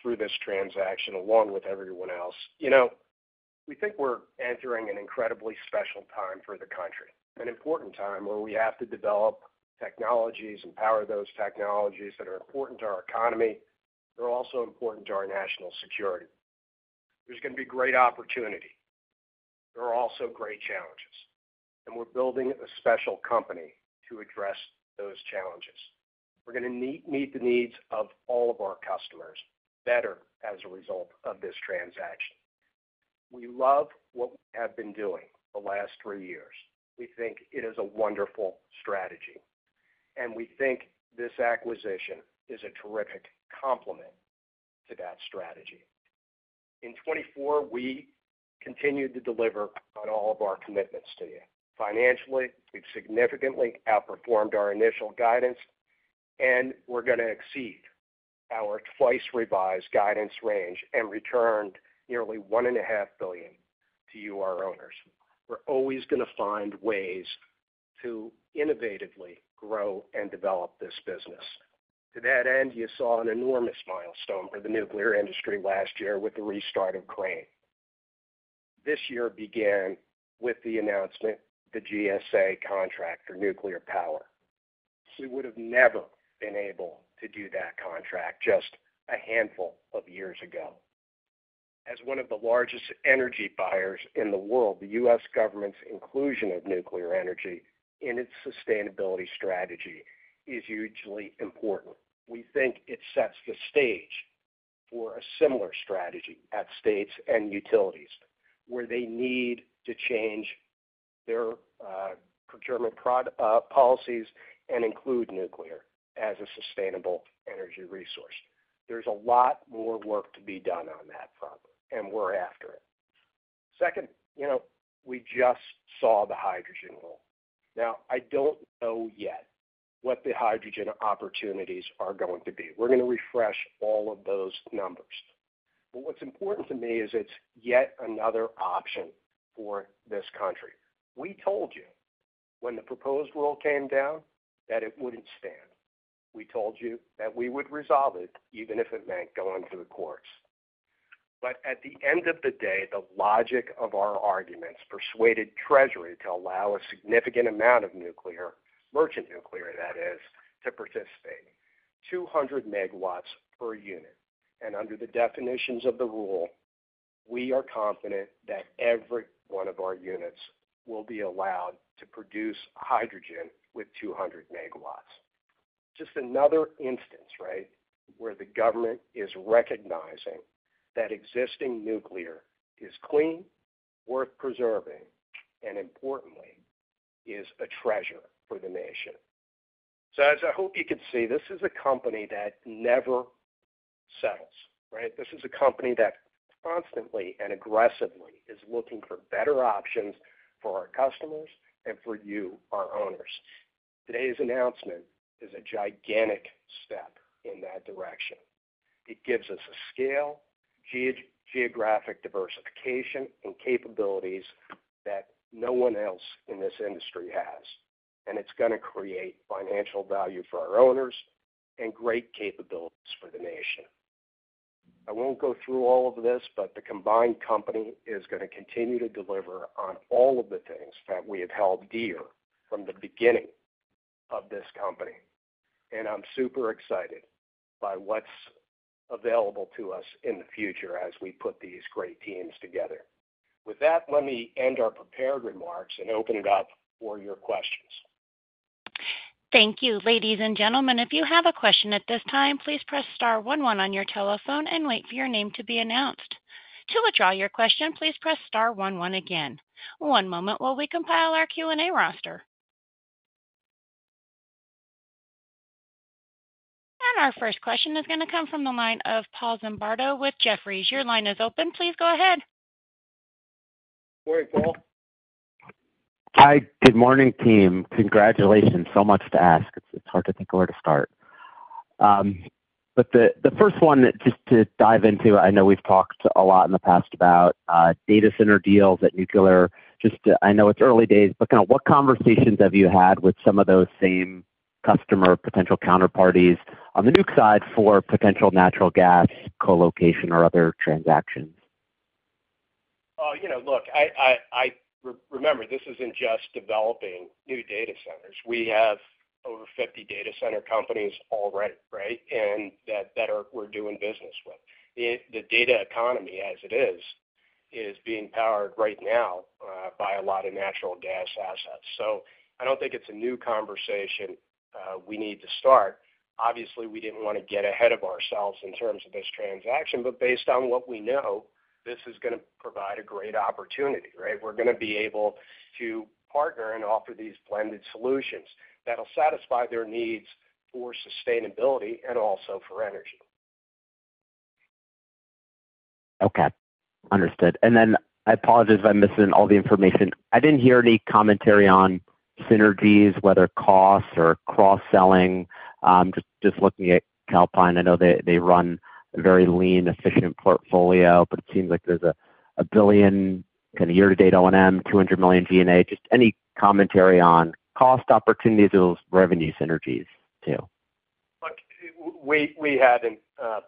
[SPEAKER 3] through this transaction along with everyone else. You know, we think we're entering an incredibly special time for the country, an important time where we have to develop technologies and power those technologies that are important to our economy. They're also important to our national security. There's going to be great opportunity. There are also great challenges, and we're building a special company to address those challenges. We're going to meet the needs of all of our customers better as a result of this transaction. We love what we have been doing the last three years. We think it is a wonderful strategy, and we think this acquisition is a terrific complement to that strategy. In 2024, we continue to deliver on all of our commitments to you. Financially, we've significantly outperformed our initial guidance, and we're going to exceed our twice-revised guidance range and return nearly $1.5 billion to you, our owners. We're always going to find ways to innovatively grow and develop this business. To that end, you saw an enormous milestone for the nuclear industry last year with the restart of Crane. This year began with the announcement of the GSA contract for nuclear power. We would have never been able to do that contract just a handful of years ago. As one of the largest energy buyers in the world, the U.S. government's inclusion of nuclear energy in its sustainability strategy is hugely important. We think it sets the stage for a similar strategy at states and utilities where they need to change their procurement policies and include nuclear as a sustainable energy resource. There's a lot more work to be done on that front, and we're after it. Second, you know, we just saw the hydrogen rule. Now, I don't know yet what the hydrogen opportunities are going to be. We're going to refresh all of those numbers. But what's important to me is it's yet another option for this country. We told you when the proposed rule came down that it wouldn't stand. We told you that we would resolve it even if it meant going to the courts. But at the end of the day, the logic of our arguments persuaded Treasury to allow a significant amount of nuclear, merchant nuclear, that is, to participate: 200 MW per unit. And under the definitions of the rule, we are confident that every one of our units will be allowed to produce hydrogen with 200 MW. Just another instance, right, where the government is recognizing that existing nuclear is clean, worth preserving, and importantly, is a treasure for the nation. So, as I hope you can see, this is a company that never settles, right? This is a company that constantly and aggressively is looking for better options for our customers and for you, our owners. Today's announcement is a gigantic step in that direction. It gives us a scale, geographic diversification, and capabilities that no one else in this industry has. And it's going to create financial value for our owners and great capabilities for the nation. I won't go through all of this, but the combined company is going to continue to deliver on all of the things that we have held dear from the beginning of this company. And I'm super excited by what's available to us in the future as we put these great teams together. With that, let me end our prepared remarks and open it up for your questions.
[SPEAKER 1] Thank you, ladies and gentlemen. If you have a question at this time, please press star one one on your telephone and wait for your name to be announced. To withdraw your question, please press star one one again. One moment while we compile our Q&A roster. And our first question is going to come from the line of Paul Zimbardo with Jefferies. Your line is open. Please go ahead.
[SPEAKER 5] Hi. Good morning, team. Congratulations. So much to ask. It's hard to think of where to start. But the first one, just to dive into, I know we've talked a lot in the past about data center deals at nuclear. Just I know it's early days, but kind of what conversations have you had with some of those same customer potential counterparties on the nuke side for potential natural gas colocation or other transactions?
[SPEAKER 3] You know, look, I remember this isn't just developing new data centers. We have over 50 data center companies already, right, and that we're doing business with. The data economy, as it is, is being powered right now by a lot of natural gas assets. So I don't think it's a new conversation we need to start. Obviously, we didn't want to get ahead of ourselves in terms of this transaction, but based on what we know, this is going to provide a great opportunity, right? We're going to be able to partner and offer these blended solutions that'll satisfy their needs for sustainability and also for energy.
[SPEAKER 5] Okay. Understood. And then I apologize if I'm missing all the information. I didn't hear any commentary on synergies, whether costs or cross-selling. Just looking at Calpine, I know they run a very lean, efficient portfolio, but it seems like there's $1 billion kind of year-to-date O&M, $200 million G&A. Just any commentary on cost opportunities or revenue synergies, too?
[SPEAKER 4] Look, we hadn't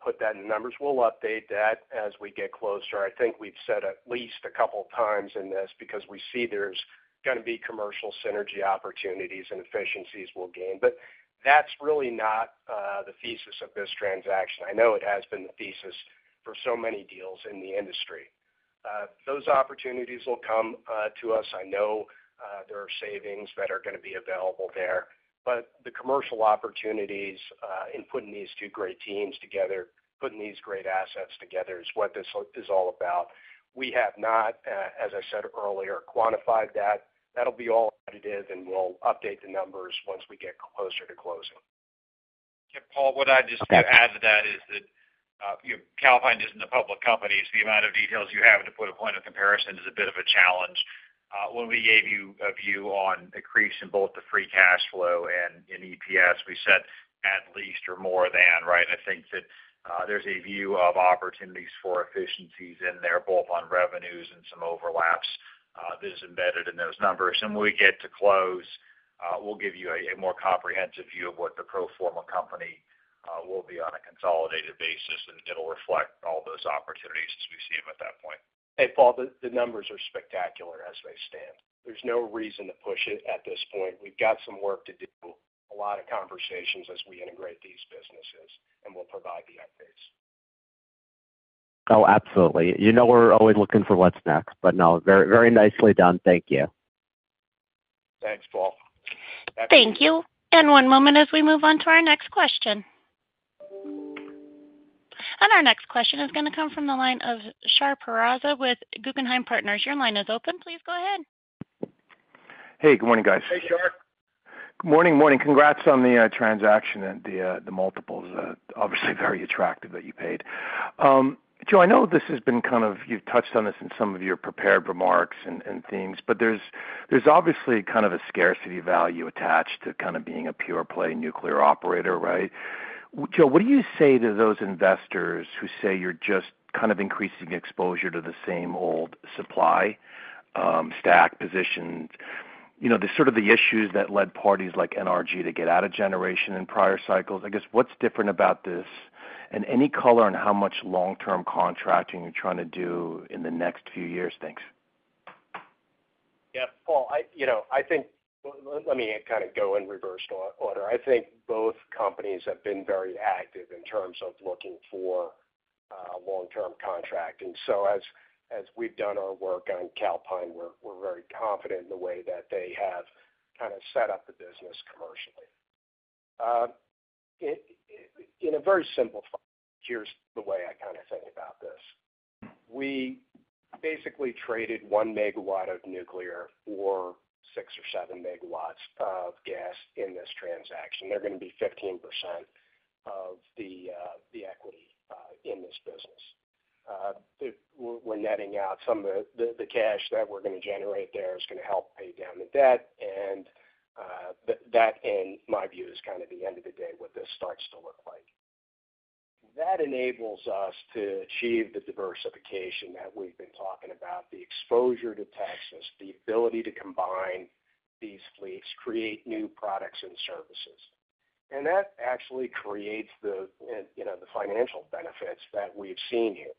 [SPEAKER 4] put that in numbers. We'll update that as we get closer. I think we've said at least a couple of times in this because we see there's going to be commercial synergy opportunities and efficiencies we'll gain. But that's really not the thesis of this transaction. I know it has been the thesis for so many deals in the industry. Those opportunities will come to us. I know there are savings that are going to be available there. But the commercial opportunities in putting these two great teams together, putting these great assets together is what this is all about. We have not, as I said earlier, quantified that. That'll be all additive, and we'll update the numbers once we get closer to closing.
[SPEAKER 3] Yeah, Paul, what I just want to add to that is that Calpine isn't a public company, so the amount of details you have to put a point of comparison is a bit of a challenge. When we gave you a view on the increase in both the free cash flow and in EPS, we said at least or more than, right? I think that there's a view of opportunities for efficiencies in there, both on revenues and some overlaps. This is embedded in those numbers, and when we get to close, we'll give you a more comprehensive view of what the pro forma company will be on a consolidated basis, and it'll reflect all those opportunities as we see them at that point. Hey, Paul, the numbers are spectacular as they stand. There's no reason to push it at this point. We've got some work to do, a lot of conversations as we integrate these businesses, and we'll provide the updates.
[SPEAKER 5] Oh, absolutely. You know we're always looking for what's next, but no, very nicely done. Thank you.
[SPEAKER 3] Thanks, Paul.
[SPEAKER 1] Thank you. One moment as we move on to our next question. Our next question is going to come from the line of Shar Pourreza with Guggenheim Partners. Your line is open. Please go ahead.
[SPEAKER 6] Hey, good morning, guys.
[SPEAKER 3] Hey, Shar.
[SPEAKER 6] Good morning, morning. Congrats on the transaction and the multiples. Obviously, very attractive that you paid. Joe, I know this has been kind of, you've touched on this in some of your prepared remarks and themes, but there's obviously kind of a scarcity value attached to kind of being a pure play nuclear operator, right? Joe, what do you say to those investors who say you're just kind of increasing exposure to the same old supply stack positions? You know, there's sort of the issues that led parties like NRG to get out of generation in prior cycles. I guess what's different about this and any color on how much long-term contracting you're trying to do in the next few years? Thanks.
[SPEAKER 3] Yep. Well, you know, I think, let me kind of go in reverse order. I think both companies have been very active in terms of looking for long-term contracting. So as we've done our work on Calpine, we're very confident in the way that they have kind of set up the business commercially. In a very simple fashion, here's the way I kind of think about this. We basically traded one megawatt of nuclear for six or seven megawatts of gas in this transaction. They're going to be 15% of the equity in this business. We're netting out some of the cash that we're going to generate there is going to help pay down the debt. That, in my view, is kind of the end of the day what this starts to look like. That enables us to achieve the diversification that we've been talking about, the exposure to Texas, the ability to combine these fleets, create new products and services. That actually creates the, you know, the financial benefits that we've seen here.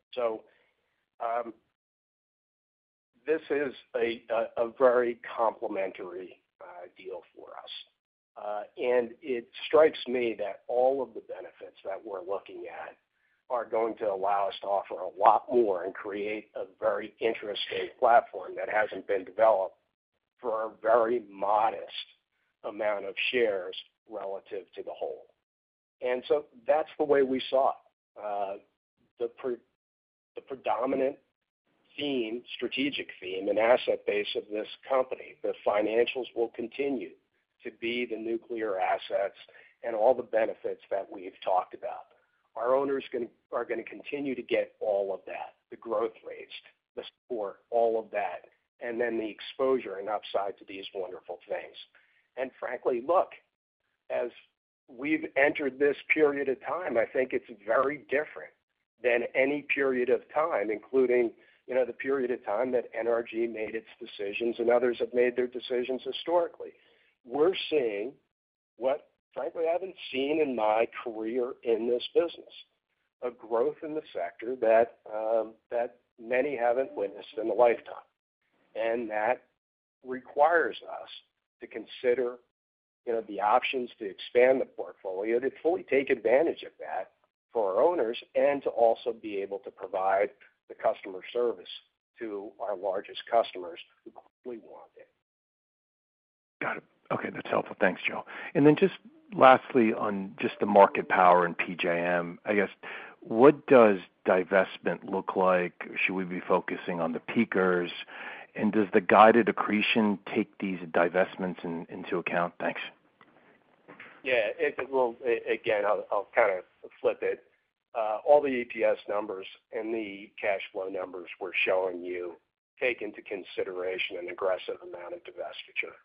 [SPEAKER 3] This is a very complementary deal for us. It strikes me that all of the benefits that we're looking at are going to allow us to offer a lot more and create a very interesting platform that hasn't been developed for a very modest amount of shares relative to the whole. That's the way we saw it. The predominant theme, strategic theme and asset base of this company, the financials will continue to be the nuclear assets and all the benefits that we've talked about. Our owners are going to continue to get all of that, the growth rates, the support, all of that, and then the exposure and upside to these wonderful things. And frankly, look, as we've entered this period of time, I think it's very different than any period of time, including, you know, the period of time that NRG made its decisions and others have made their decisions historically. We're seeing what, frankly, I haven't seen in my career in this business, a growth in the sector that many haven't witnessed in a lifetime. And that requires us to consider, you know, the options to expand the portfolio, to fully take advantage of that for our owners, and to also be able to provide the customer service to our largest customers who clearly want it.
[SPEAKER 6] Got it. Okay. That's helpful. Thanks, Joe. Then just lastly on just the market power and PJM, I guess, what does divestment look like? Should we be focusing on the peakers? And does the guided accretion take these divestments into account? Thanks.
[SPEAKER 3] Yeah. Well, again, I'll kind of flip it. All the EPS numbers and the cash flow numbers we're showing you take into consideration an aggressive amount of divestiture.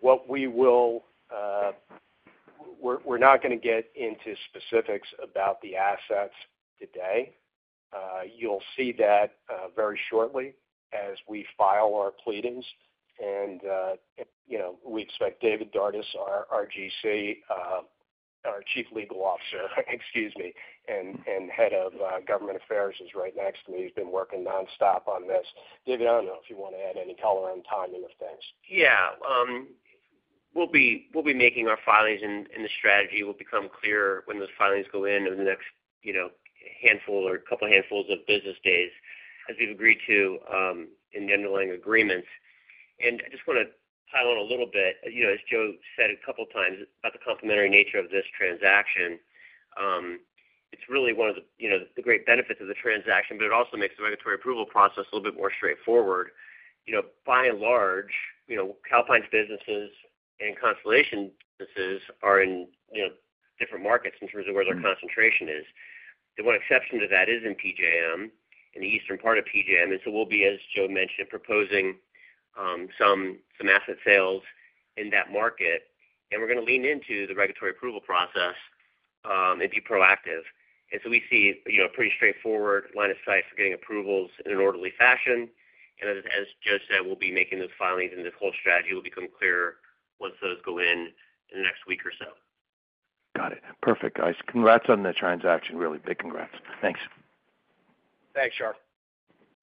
[SPEAKER 3] What we will, we're not going to get into specifics about the assets today. You'll see that very shortly as we file our pleadings. And, you know, we expect David Dardis, our GC, our Chief Legal Officer, excuse me, and Head of Government Affairs is right next to me. He's been working nonstop on this. David, I don't know if you want to add any color on timing of things.
[SPEAKER 7] Yeah. We'll be making our filings, and the strategy will become clearer when those filings go in over the next, you know, handful or couple handfuls of business days, as we've agreed to in the underlying agreements. And I just want to pile on a little bit, you know, as Joe said a couple of times about the complementary nature of this transaction. It's really one of the, you know, the great benefits of the transaction, but it also makes the regulatory approval process a little bit more straightforward. You know, by and large, you know, Calpine's businesses and Constellation's businesses are in, you know, different markets in terms of where their concentration is. The one exception to that is in PJM, in the eastern part of PJM. And so we'll be, as Joe mentioned, proposing some asset sales in that market. And we're going to lean into the regulatory approval process and be proactive. And so we see, you know, a pretty straightforward line of sight for getting approvals in an orderly fashion. And as Joe said, we'll be making those filings and this whole strategy will become clearer once those go in in the next week or so.
[SPEAKER 6] Got it. Perfect, guys. Congrats on the transaction. Really big congrats. Thanks.
[SPEAKER 3] Thanks, Shar.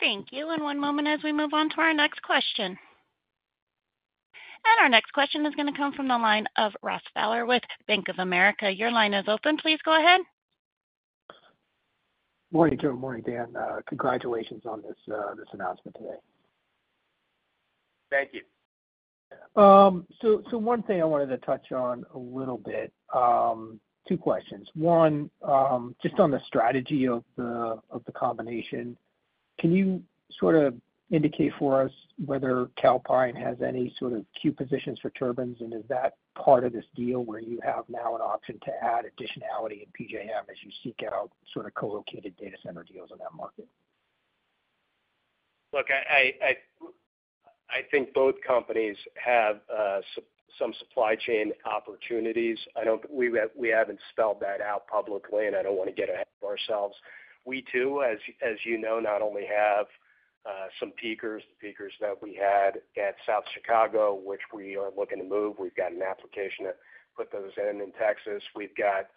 [SPEAKER 1] Thank you. And one moment as we move on to our next question. And our next question is going to come from the line of Ross Fowler with Bank of America. Your line is open. Please go ahead.
[SPEAKER 8] Morning, Joe. Morning, Dan. Congratulations on this announcement today.
[SPEAKER 3] Thank you.
[SPEAKER 8] So one thing I wanted to touch on a little bit, two questions. One, just on the strategy of the combination, can you sort of indicate for us whether Calpine has any sort of queue positions for turbines? And is that part of this deal where you have now an option to add additionality in PJM as you seek out sort of co-located data center deals in that market?
[SPEAKER 3] Look, I think both companies have some supply chain opportunities. I don't think we haven't spelled that out publicly, and I don't want to get ahead of ourselves. We, too, as you know, not only have some peakers, the peakers that we had at South Chicago, which we are looking to move. We've got an application to put those in in Texas. We've got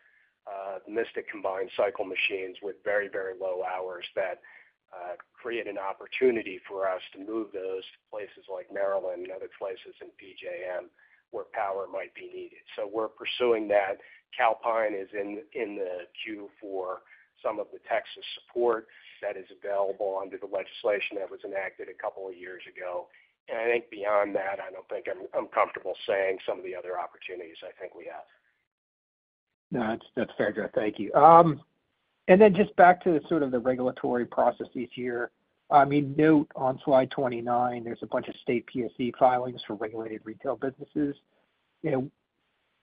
[SPEAKER 3] Mystic combined cycle machines with very, very low hours that create an opportunity for us to move those to places like Maryland and other places in PJM where power might be needed. So we're pursuing that. Calpine is in the queue for some of the Texas support that is available under the legislation that was enacted a couple of years ago. And I think beyond that, I don't think I'm comfortable saying some of the other opportunities I think we have.
[SPEAKER 8] No, that's fair, Joe. Thank you. And then just back to sort of the regulatory processes here. I mean, note on slide 29, there's a bunch of state PSC filings for regulated retail businesses.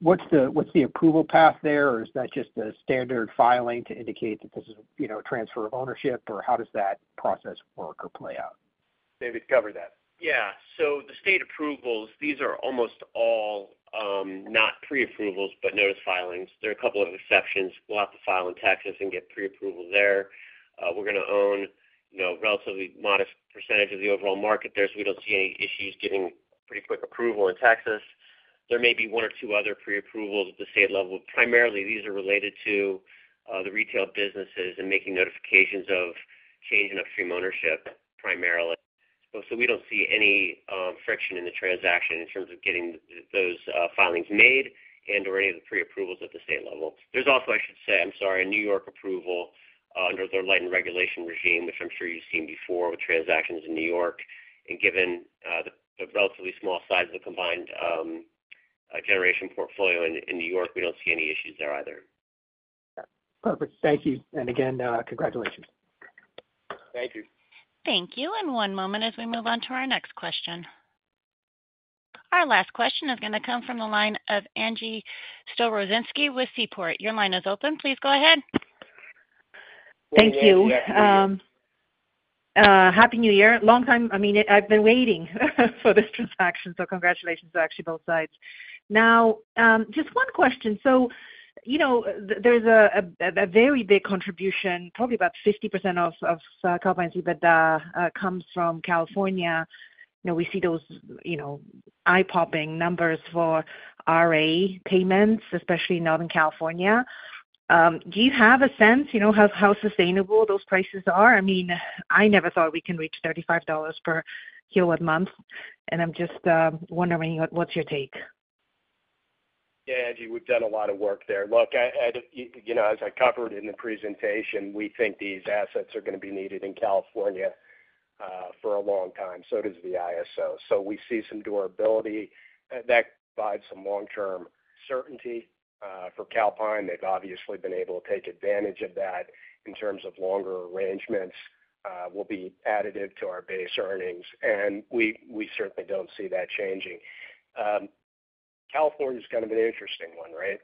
[SPEAKER 8] What's the approval path there, or is that just a standard filing to indicate that this is a transfer of ownership, or how does that process work or play out?
[SPEAKER 3] David, cover that.
[SPEAKER 7] Yeah. So the state approvals, these are almost all not pre-approvals, but notice filings. There are a couple of exceptions. We'll have to file in Texas and get pre-approval there. We're going to own a relatively modest percentage of the overall market there, so we don't see any issues getting pretty quick approval in Texas. There may be one or two other pre-approvals at the state level. Primarily, these are related to the retail businesses and making notifications of change in upstream ownership primarily. So we don't see any friction in the transaction in terms of getting those filings made and/or any of the pre-approvals at the state level. There's also, I should say, I'm sorry, a New York approval under their lightened regulation regime, which I'm sure you've seen before with transactions in New York. And given the relatively small size of the combined generation portfolio in New York, we don't see any issues there either.
[SPEAKER 8] Perfect. Thank you. And again, congratulations.
[SPEAKER 3] Thank you.
[SPEAKER 1] Thank you. And one moment as we move on to our next question. Our last question is going to come from the line of Angie Storozynski with Seaport. Your line is open. Please go ahead.
[SPEAKER 9] Thank you. Happy New Year. Long time, I mean, I've been waiting for this transaction, so congratulations to actually both sides. Now, just one question. So, you know, there's a very big contribution, probably about 50% of Calpine's EBITDA comes from California. You know, we see those, you know, eye-popping numbers for RA payments, especially in Northern California. Do you have a sense, you know, how sustainable those prices are? I mean, I never thought we can reach $35 per kilowatt month, and I'm just wondering what's your take?
[SPEAKER 3] Yeah, Angie, we've done a lot of work there. Look, you know, as I covered in the presentation, we think these assets are going to be needed in California for a long time. So does the ISO. So we see some durability that provides some long-term certainty for Calpine. They've obviously been able to take advantage of that in terms of longer arrangements will be additive to our base earnings. And we certainly don't see that changing. California is kind of an interesting one, right?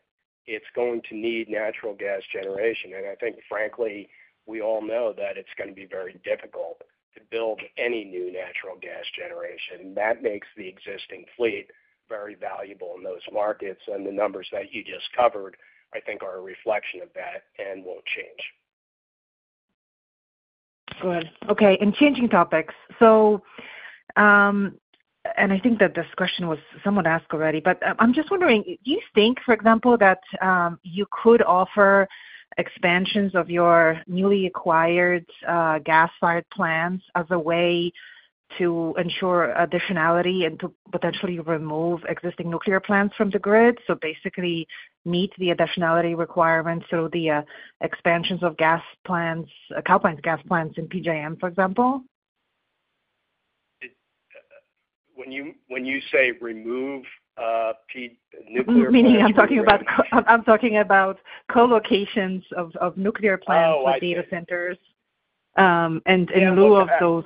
[SPEAKER 3] It's going to need natural gas generation. And I think, frankly, we all know that it's going to be very difficult to build any new natural gas generation. And that makes the existing fleet very valuable in those markets. The numbers that you just covered, I think, are a reflection of that and won't change.
[SPEAKER 9] Good. Okay. Changing topics. I think that this question was someone asked already, but I'm just wondering, do you think, for example, that you could offer expansions of your newly acquired gas-fired plants as a way to ensure additionality and to potentially remove existing nuclear plants from the grid, so basically meet the additionality requirements through the expansions of Calpine's gas plants in PJM, for example?
[SPEAKER 3] When you say remove nuclear plants,
[SPEAKER 9] meaning I'm talking about colocations of nuclear plants and data centers, in lieu of those.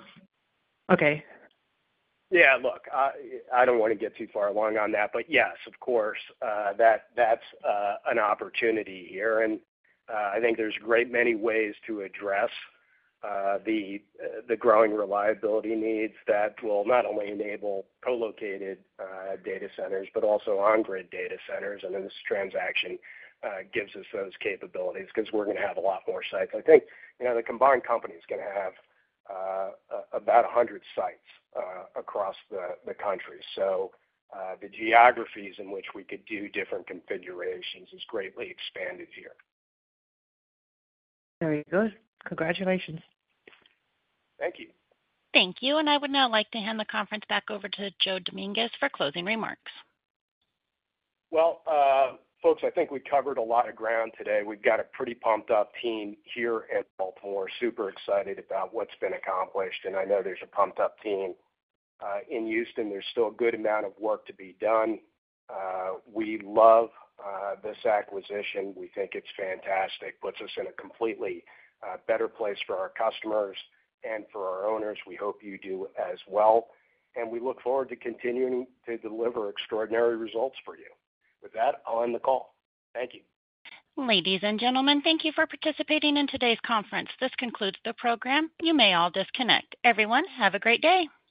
[SPEAKER 3] Okay. Yeah. Look, I don't want to get too far along on that, but yes, of course, that's an opportunity here. I think there's many ways to address the growing reliability needs that will not only enable co-located data centers, but also on-grid data centers. And this transaction gives us those capabilities because we're going to have a lot more sites. I think, you know, the combined company is going to have about 100 sites across the country. So the geographies in which we could do different configurations is greatly expanded here.
[SPEAKER 9] Very good. Congratulations.
[SPEAKER 3] Thank you.
[SPEAKER 1] Thank you. And I would now like to hand the conference back over to Joe Dominguez for closing remarks.
[SPEAKER 3] Folks, I think we covered a lot of ground today. We've got a pretty pumped-up team here at Baltimore, super excited about what's been accomplished. And I know there's a pumped-up team in Houston. There's still a good amount of work to be done. We love this acquisition. We think it's fantastic. It puts us in a completely better place for our customers and for our owners. We hope you do as well. We look forward to continuing to deliver extraordinary results for you.
[SPEAKER 1] With that, I'll end the call. Thank you. Ladies and gentlemen, thank you for participating in today's conference. This concludes the program. You may all disconnect. Everyone, have a great day.